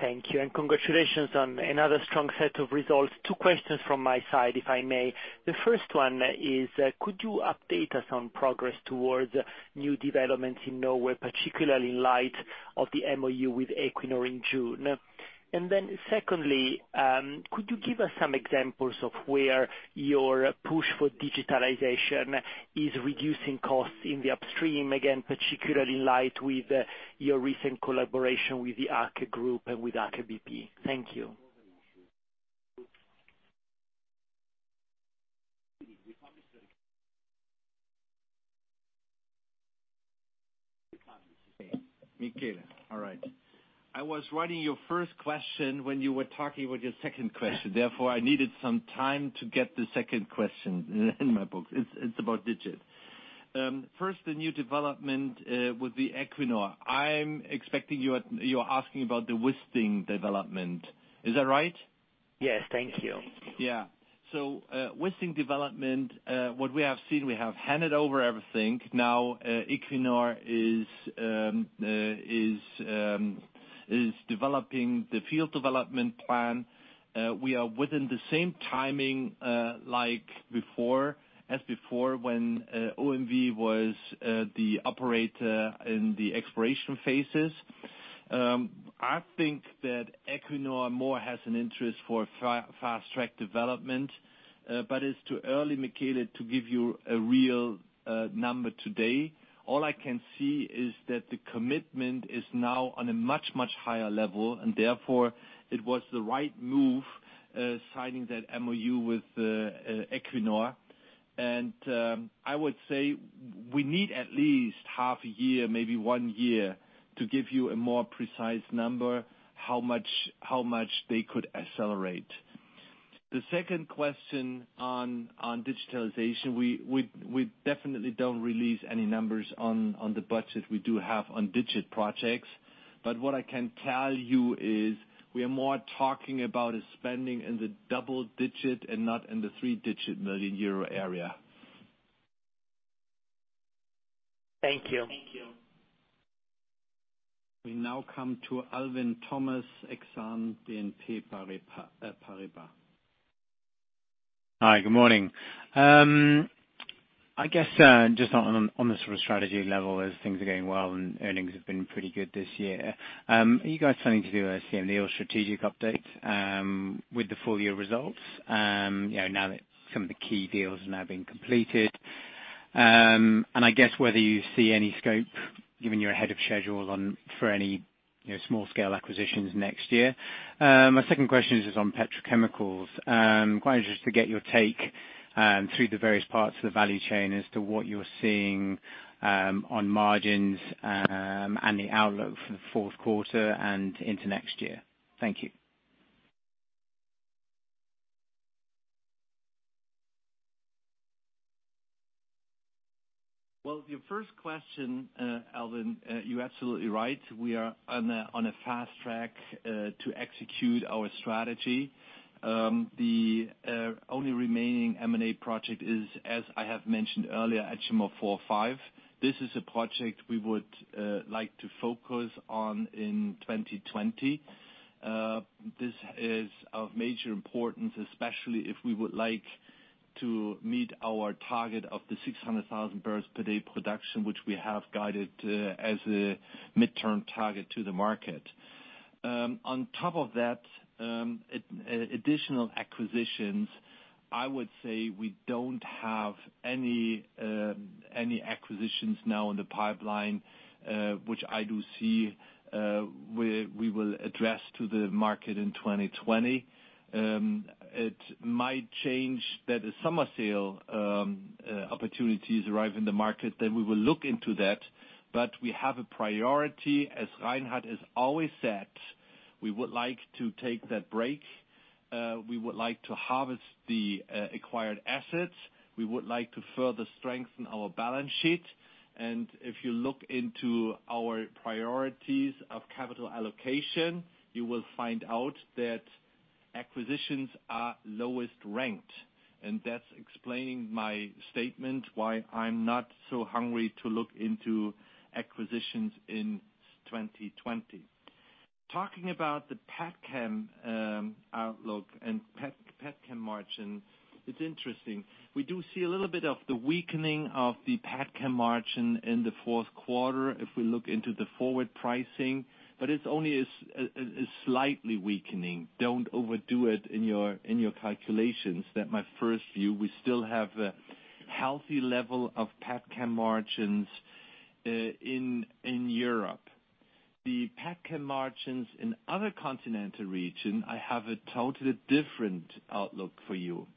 Thank you. Congratulations on another strong set of results. Two questions from my side, if I may. The first one is could you update us on progress towards new developments in Norway, particularly in light of the MoU with Equinor in June? Secondly, could you give us some examples of where your push for digitalization is reducing costs in the upstream, again, particularly in light with your recent collaboration with the Aker group and with Aker BP? Thank you. Michele. All right. I was writing your first question when you were talking about your second question. I needed some time to get the second question in my book. It's about digit. The new development with the Equinor. I'm expecting you're asking about the Wisting development. Is that right? Yes. Thank you. Wisting development, what we have seen, we have handed over everything. Equinor is developing the field development plan. We are within the same timing as before, when OMV was the operator in the exploration phases. I think that Equinor more has an interest for fast-track development. It's too early, Michele, to give you a real number today. All I can see is that the commitment is now on a much higher level, and therefore, it was the right move signing that MoU with Equinor. I would say we need at least half a year, maybe one year, to give you a more precise number, how much they could accelerate. The second question on digitalization, we definitely don't release any numbers on the budget we do have on digit projects. What I can tell you is we are more talking about a spending in the double digit and not in the three-digit million EUR area. Thank you. We now come to Alwyn Thomas, Exane BNP Paribas. Hi. Good morning. I guess, just on the sort of strategy level, as things are going well and earnings have been pretty good this year, are you guys planning to do a CMD strategic update with the full-year results now that some of the key deals now have been completed? I guess whether you see any scope, given you're ahead of schedule, for any small-scale acquisitions next year. My second question is on petrochemicals. Quite interested to get your take through the various parts of the value chain as to what you're seeing on margins and the outlook for the fourth quarter and into next year. Thank you. Well, your first question, Alwyn, you're absolutely right. We are on a fast track to execute our strategy. The only remaining M&A project is, as I have mentioned earlier, Achimov 4A/5A. This is a project we would like to focus on in 2020. This is of major importance, especially if we would like to meet our target of the 600,000 barrels per day production, which we have guided as a midterm target to the market. On top of that, additional acquisitions, I would say we don't have any acquisitions now in the pipeline, which I do see we will address to the market in 2020. It might change that the summer sale opportunities arrive in the market, then we will look into that. We have a priority, as Reinhard has always said, we would like to take that break. We would like to harvest the acquired assets. We would like to further strengthen our balance sheet. If you look into our priorities of capital allocation, you will find out acquisitions are lowest ranked, and that's explaining my statement why I'm not so hungry to look into acquisitions in 2020. Talking about the petchem outlook and petchem margin, it's interesting. We do see a little bit of the weakening of the petchem margin in the fourth quarter if we look into the forward pricing, but it's only slightly weakening. Don't overdo it in your calculations. That my first view, we still have a healthy level of petchem margins in Europe. The petchem margins in other continental region, I have a totally different outlook for you.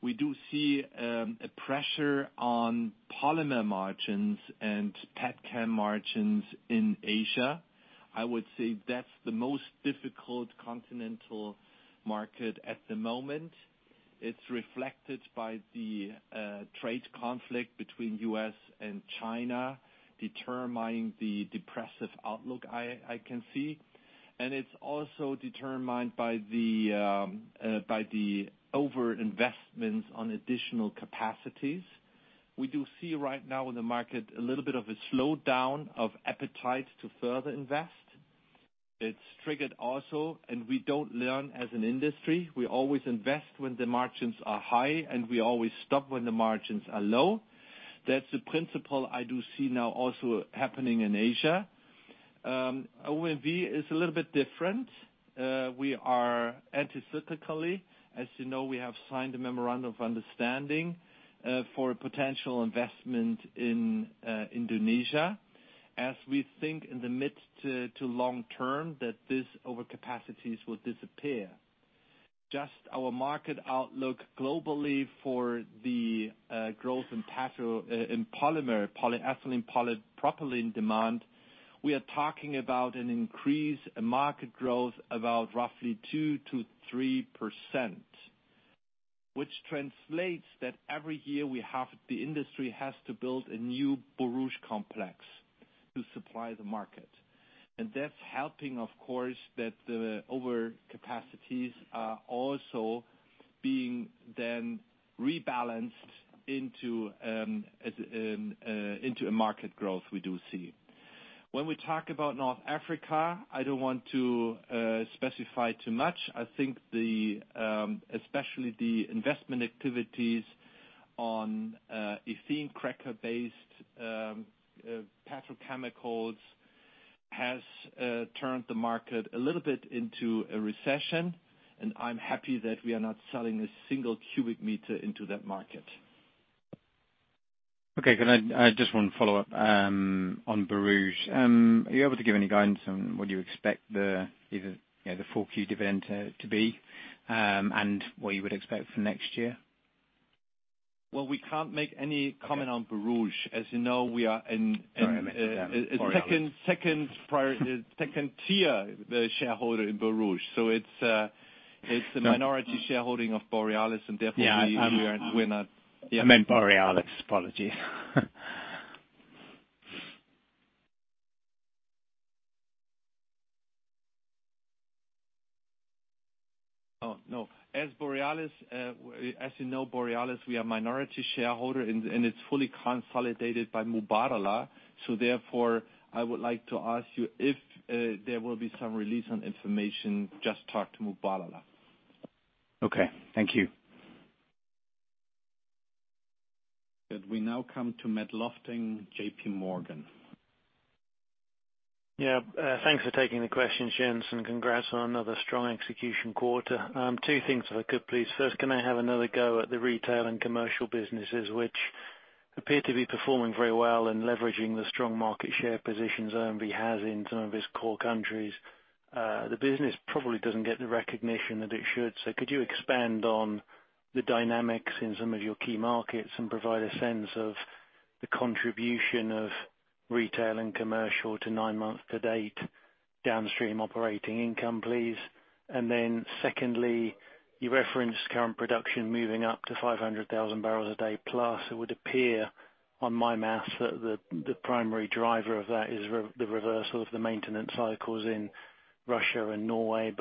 We do see pressure on polymer margins and petchem margins in Asia. I would say that's the most difficult continental market at the moment. It's reflected by the trade conflict between U.S. and China, determining the depressive outlook I can see. It's also determined by the over-investments on additional capacities. We do see right now in the market, a little bit of a slowdown of appetite to further invest. It's triggered also, and we don't learn as an industry. We always invest when the margins are high, and we always stop when the margins are low. That's the principle I do see now also happening in Asia. OMV is a little bit different. We are anti-cyclically. As you know, we have signed a memorandum of understanding for a potential investment in Indonesia, as we think in the mid to long term that this over capacities will disappear. Just our market outlook globally for the growth in polymer, polyethylene, polypropylene demand, we are talking about an increase in market growth about roughly 2%-3%, which translates that every year, the industry has to build a new Borouge complex to supply the market. That's helping, of course, that the over capacities are also being then rebalanced into a market growth we do see. When we talk about North Africa, I don't want to specify too much. I think especially the investment activities on ethane cracker-based petrochemicals has turned the market a little bit into a recession, and I'm happy that we are not selling a single cubic meter into that market. Okay. I just want to follow up on Borouge. Are you able to give any guidance on what you expect the full year dividend to be and what you would expect for next year? Well, we can't make any comment on Borouge. As you know, we are in- Sorry, I meant Borealis. 2nd tier shareholder in Borouge. It's a minority shareholding of Borealis. I meant Borealis. Apologies. No. As you know, Borealis, we are minority shareholder, and it's fully consolidated by Mubadala. Therefore, I would like to ask you, if there will be some release on information, just talk to Mubadala. Okay. Thank you. Good. We now come to Matthew Lofting, J.P. Morgan. Yeah. Thanks for taking the question, <inaudible> and congrats on another strong execution quarter. Two things if I could, please. First, can I have another go at the retail and commercial businesses, which appear to be performing very well and leveraging the strong market share positions OMV has in some of its core countries? The business probably doesn't get the recognition that it should. Could you expand on the dynamics in some of your key markets and provide a sense of the contribution of retail and commercial to nine month to date downstream operating income, please? Secondly, you referenced current production moving up to 500,000 barrels a day plus. It would appear on my math that the primary driver of that is the reversal of the maintenance cycles in Russia and Norway.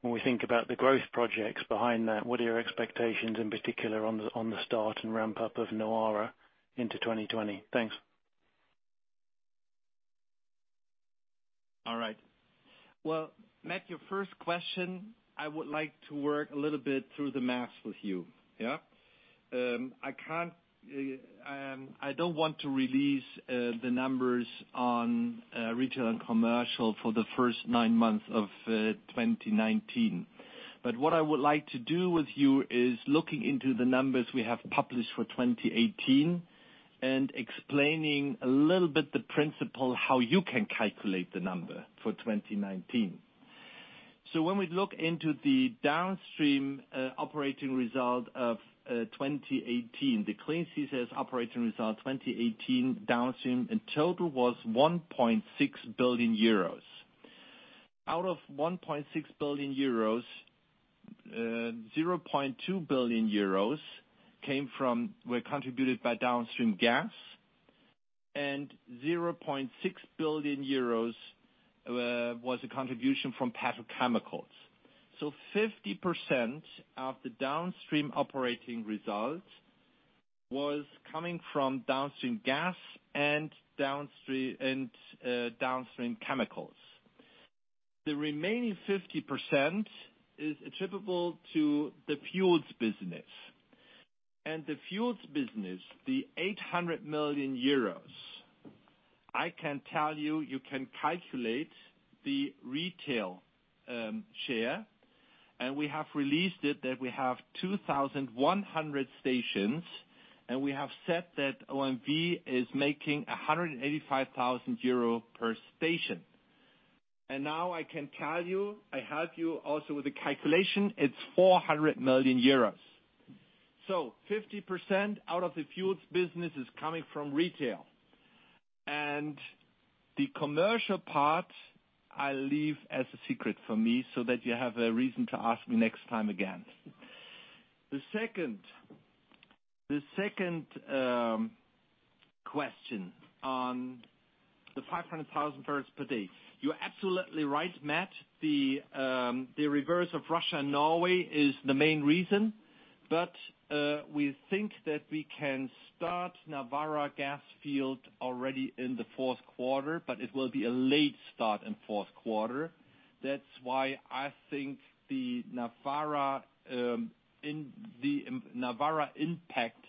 When we think about the growth projects behind that, what are your expectations in particular on the start and ramp up of Nawara into 2020? Thanks. Well, Matt, your first question, I would like to work a little bit through the math with you. Yeah? I don't want to release the numbers on retail and commercial for the first nine months of 2019. What I would like to do with you is looking into the numbers we have published for 2018 and explaining a little bit the principle, how you can calculate the number for 2019. When we look into the downstream operating result of 2018, the Clean CCS operating result 2018 downstream in total was €1.6 billion. Out of €1.6 billion, €0.2 billion were contributed by downstream gas. €0.6 billion was a contribution from petrochemicals. 50% of the downstream operating results was coming from downstream gas and downstream chemicals. The remaining 50% is attributable to the fuels business. The fuels business, the 800 million euros, I can tell you can calculate the retail share. We have released it that we have 2,100 stations, and we have said that OMV is making 185,000 euro per station. Now I can tell you, I help you also with the calculation, it's 400 million euros. 50% out of the fuels business is coming from retail. The commercial part, I leave as a secret for me so that you have a reason to ask me next time again. The second question on the 500,000 barrels per day. You're absolutely right, Matt. The reverse of Russia and Norway is the main reason. We think that we can start Nawara gas field already in the fourth quarter, but it will be a late start in fourth quarter. That's why I think the Nawara impact,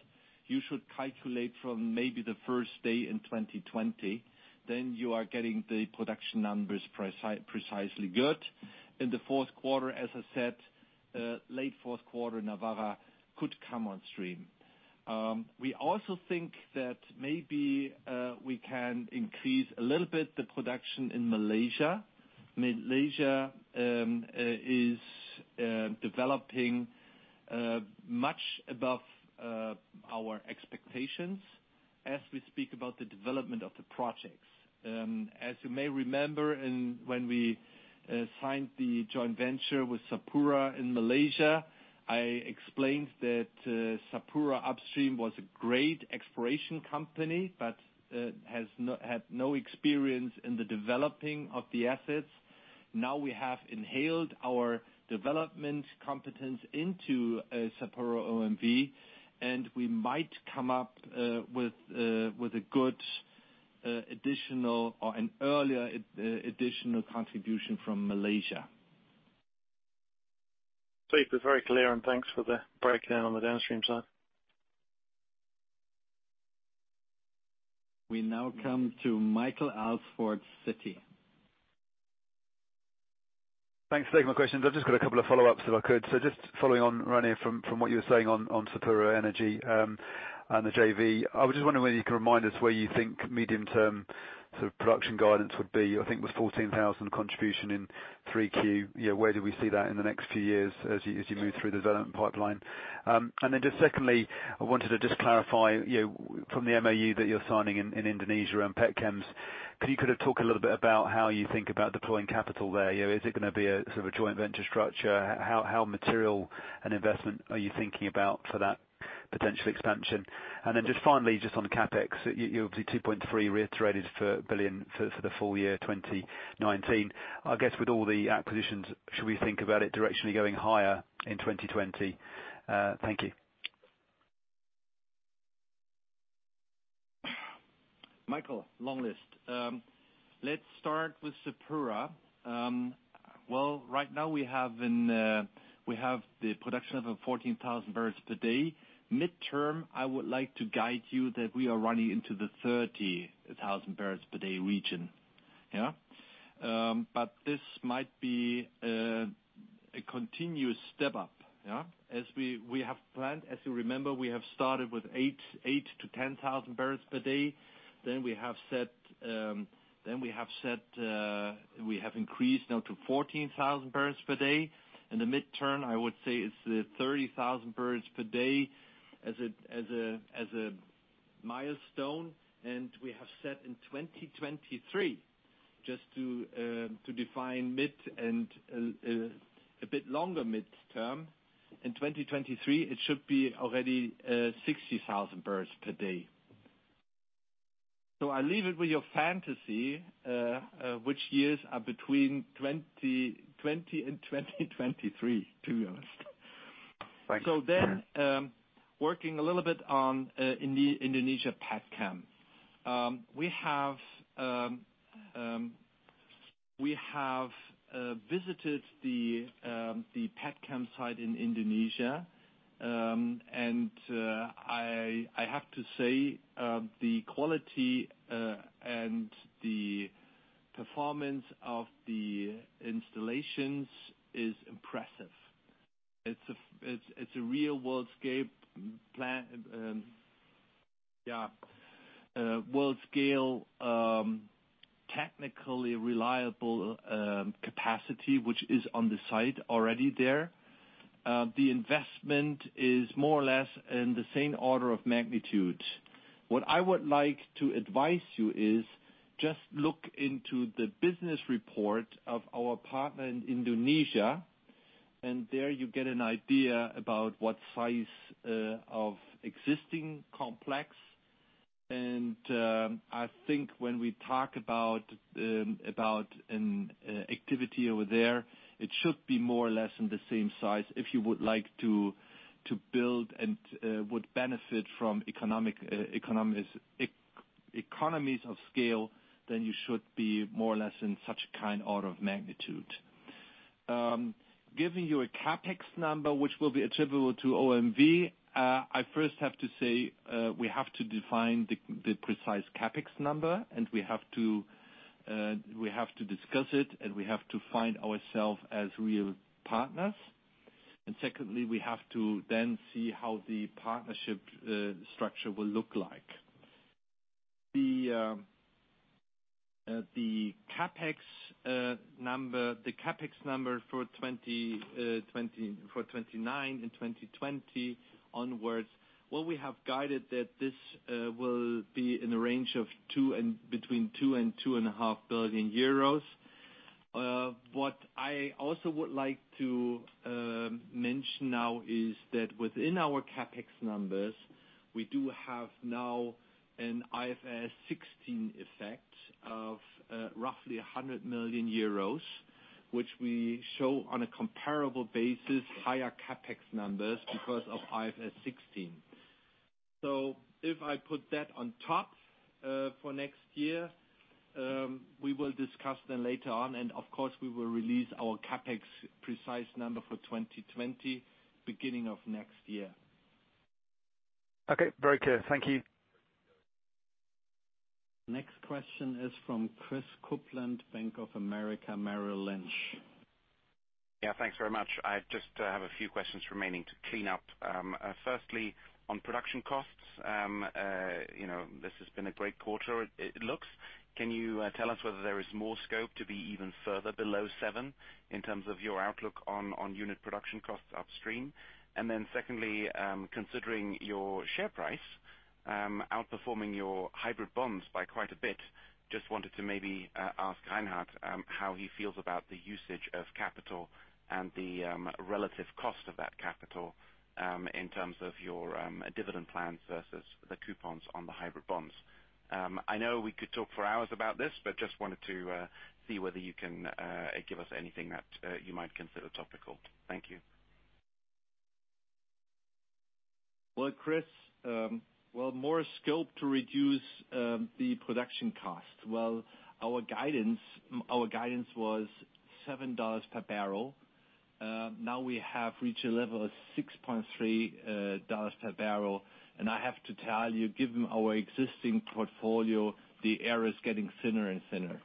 you should calculate from maybe the first day in 2020. You are getting the production numbers precisely good. In the fourth quarter, as I said, late fourth quarter, Nawara could come on stream. We also think that maybe we can increase a little bit the production in Malaysia. Malaysia is developing much above our expectations as we speak about the development of the projects. As you may remember when we signed the joint venture with Sapura in Malaysia, I explained that Sapura Upstream was a great exploration company, but had no experience in the developing of the assets. Now we have inhaled our development competence into SapuraOMV, and we might come up with a good additional or an earlier additional contribution from Malaysia. [Thanks], it was very clear, and thanks for the breakdown on the downstream side. We now come to Michael Alsford, Citi. Thanks for taking my questions. I've just got a couple of follow-ups, if I could. Just following on, Rainer, from what you were saying on Sapura Energy, and the JV. I was just wondering whether you can remind us where you think medium-term sort of production guidance would be. I think it was 14,000 contribution in 3Q. Where do we see that in the next few years as you move through the development pipeline? Then just secondly, I wanted to just clarify from the MOU that you're signing in Indonesia and petchems, could you kind of talk a little bit about how you think about deploying capital there? Is it going to be a sort of a joint venture structure? How material an investment are you thinking about for that potential expansion? Just finally, just on CapEx, you obviously reiterated 2.3 billion for the full year 2019. I guess with all the acquisitions, should we think about it directionally going higher in 2020? Thank you. Michael, long list. Let's start with Sapura. Well, right now we have the production of 14,000 barrels per day. Midterm, I would like to guide you that we are running into the 30,000 barrels per day region. Yeah. This might be a continuous step up. Yeah. As we have planned, as you remember, we have started with 8,000-10,000 barrels per day. We have increased now to 14,000 barrels per day. In the midterm, I would say it's the 30,000 barrels per day as a milestone. We have said in 2023, just to define mid and a bit longer midterm, in 2023, it should be already 60,000 barrels per day. I leave it with your fantasy, which years are between 2020 and 2023 to be honest. Thanks. Working a little bit on Indonesia petchem. We have visited the petchem site in Indonesia. I have to say, the quality and the performance of the installations is impressive. It's a real world scale, technically reliable capacity, which is on the site already there. The investment is more or less in the same order of magnitude. What I would like to advise you is just look into the business report of our partner in Indonesia. There you get an idea about what size of existing complex. I think when we talk about an activity over there, it should be more or less in the same size. If you would like to build and would benefit from economies of scale, then you should be more or less in such a kind order of magnitude. Giving you a CapEx number which will be attributable to OMV, I first have to say we have to define the precise CapEx number. We have to discuss it. We have to find ourself as real partners. Secondly, we have to then see how the partnership structure will look like. The CapEx number for 2029 and 2020 onwards, what we have guided that this will be in the range of between 2 billion euros and EUR 2.5 billion. What I also would like to mention now is that within our CapEx numbers, we do have now an IFRS 16 effect of roughly 100 million euros, which we show on a comparable basis, higher CapEx numbers because of IFRS 16. If I put that on top, for next year, we will discuss them later on. Of course, we will release our CapEx precise number for 2020, beginning of next year. Okay. Very clear. Thank you. Next question is from Christopher Kuplent, Bank of America Merrill Lynch. Yeah. Thanks very much. I just have a few questions remaining to clean up. Firstly, on production costs. This has been a great quarter, it looks. Can you tell us whether there is more scope to be even further below seven in terms of your outlook on unit production costs upstream? Secondly, considering your share price, outperforming your hybrid bonds by quite a bit, just wanted to maybe ask Reinhard how he feels about the usage of capital and the relative cost of that capital, in terms of your dividend plans versus the coupons on the hybrid bonds. I know we could talk for hours about this, but just wanted to see whether you can give us anything that you might consider topical. Thank you. Well, Chris, more scope to reduce the production cost. Well, our guidance was $7 per barrel. We have reached a level of $6.3 per barrel. I have to tell you, given our existing portfolio, the air is getting thinner and thinner.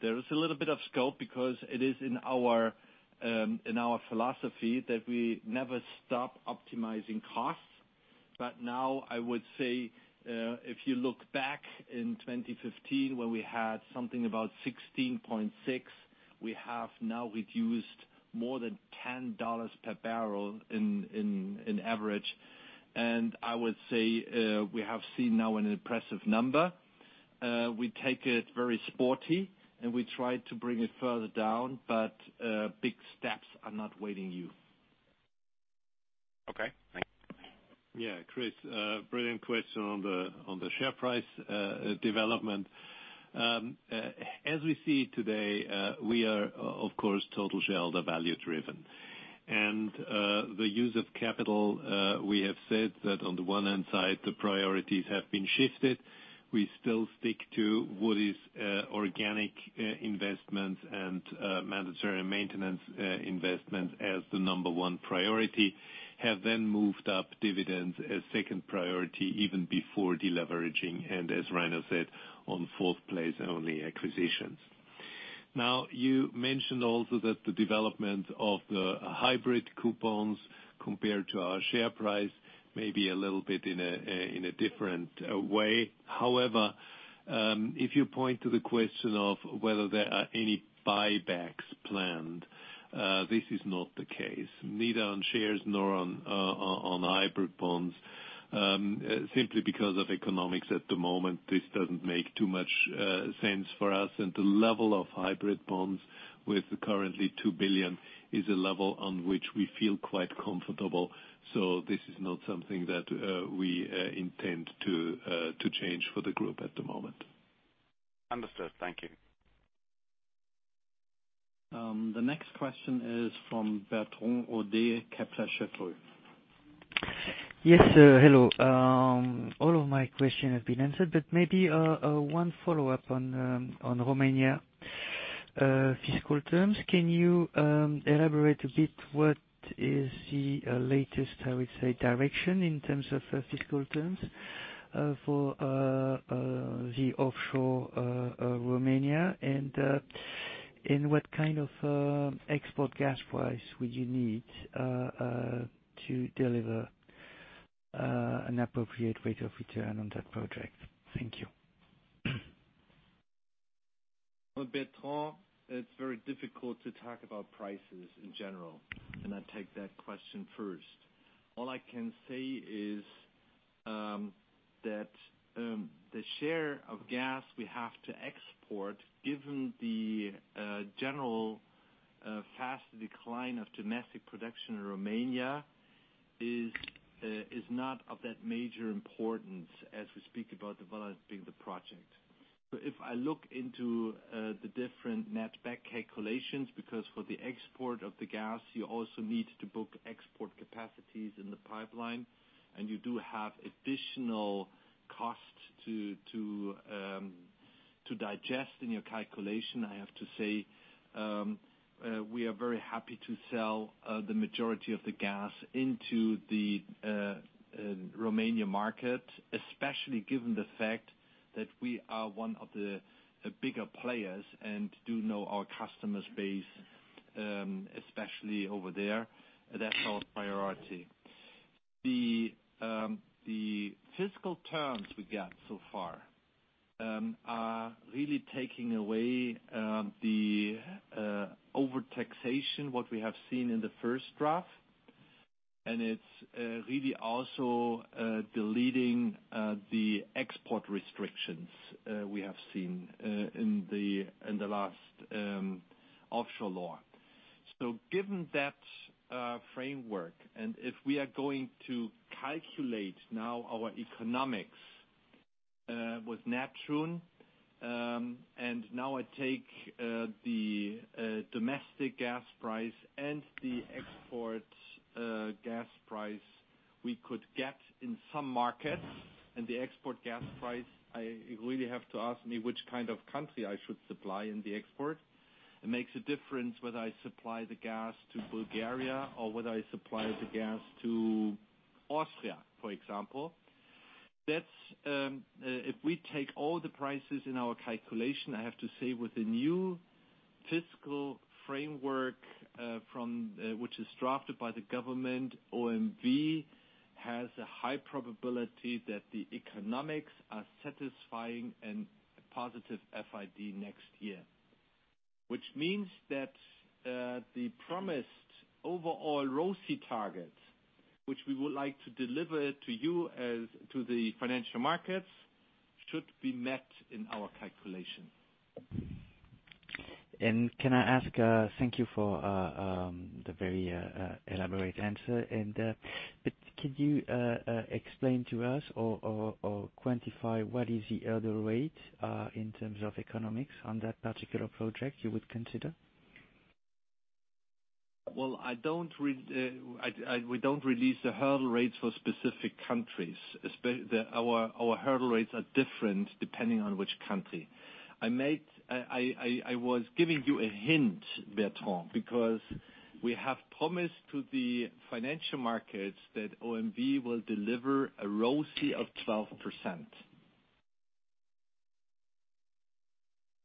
There is a little bit of scope because it is in our philosophy that we never stop optimizing costs. Now I would say, if you look back in 2015, when we had something about $16.6, we have now reduced more than $10 per barrel in average. I would say, we have seen now an impressive number. We take it very sporty. We try to bring it further down, but big steps are not waiting you. Okay. Thank you. Yeah, Chris, brilliant question on the share price development. As we see today, we are of course total shareholder value driven. The use of capital, we have said that on the one hand side, the priorities have been shifted. We still stick to what is organic investments and mandatory maintenance investments as the number 1 priority, have then moved up dividends as second priority even before deleveraging. As Rainer said, on fourth place only acquisitions. You mentioned also that the development of the hybrid coupons compared to our share price may be a little bit in a different way. However, if you point to the question of whether there are any buybacks planned, this is not the case, neither on shares nor on hybrid bonds. Simply because of economics at the moment, this doesn't make too much sense for us. The level of hybrid bonds with currently 2 billion is a level on which we feel quite comfortable. This is not something that we intend to change for the group at the moment. Understood. Thank you. The next question is from Bertrand Hodee, Kepler Cheuvreux. Yes. Hello. All of my questions have been answered, but maybe one follow-up on Romania fiscal terms. Can you elaborate a bit what is the latest, I would say, direction in terms of fiscal terms for the offshore Romania and what kind of export gas price would you need to deliver an appropriate rate of return on that project? Thank you. Bertrand, it's very difficult to talk about prices in general, and I take that question first. All I can say is that the share of gas we have to export, given the general fast decline of domestic production in Romania, is not of that major importance as we speak about developing the project. If I look into the different netback calculations, because for the export of the gas, you also need to book export capacities in the pipeline, and you do have additional costs to digest in your calculation. I have to say, we are very happy to sell the majority of the gas into the Romanian market, especially given the fact that we are one of the bigger players and do know our customer base, especially over there. That's our priority. The fiscal terms we got so far are really taking away the overtaxation, what we have seen in the first draft, and it is really also deleting the export restrictions we have seen in the last offshore law. Given that framework, and if we are going to calculate now our economics with Neptun and now I take the domestic gas price and the export gas price we could get in some markets, and the export gas price, I really have to ask me which kind of country I should supply in the export. It makes a difference whether I supply the gas to Bulgaria or whether I supply the gas to Austria, for example. If we take all the prices in our calculation, I have to say with the new fiscal framework which is drafted by the government, OMV has a high probability that the economics are satisfying and a positive FID next year. Which means that the promised overall ROACE target, which we would like to deliver to you as to the financial markets, should be met in our calculation. Can I ask, thank you for the very elaborate answer. Could you explain to us or quantify what is the hurdle rate in terms of economics on that particular project you would consider? Well, we don't release the hurdle rates for specific countries. Our hurdle rates are different depending on which country. I was giving you a hint, Bertrand, because we have promised to the financial markets that OMV will deliver a ROACE of 12%.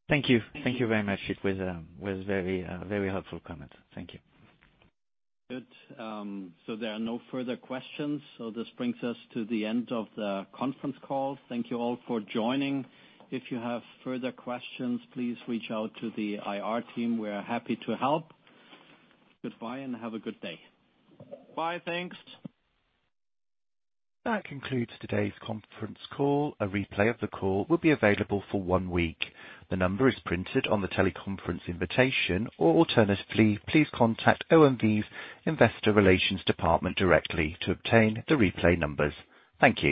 Thank you. Thank you very much. It was a very helpful comment. Thank you. Good. There are no further questions, so this brings us to the end of the conference call. Thank you all for joining. If you have further questions, please reach out to the IR team. We are happy to help. Goodbye and have a good day. Bye. Thanks. That concludes today's conference call. A replay of the call will be available for one week. The number is printed on the teleconference invitation, or alternatively, please contact OMV's investor relations department directly to obtain the replay numbers. Thank you.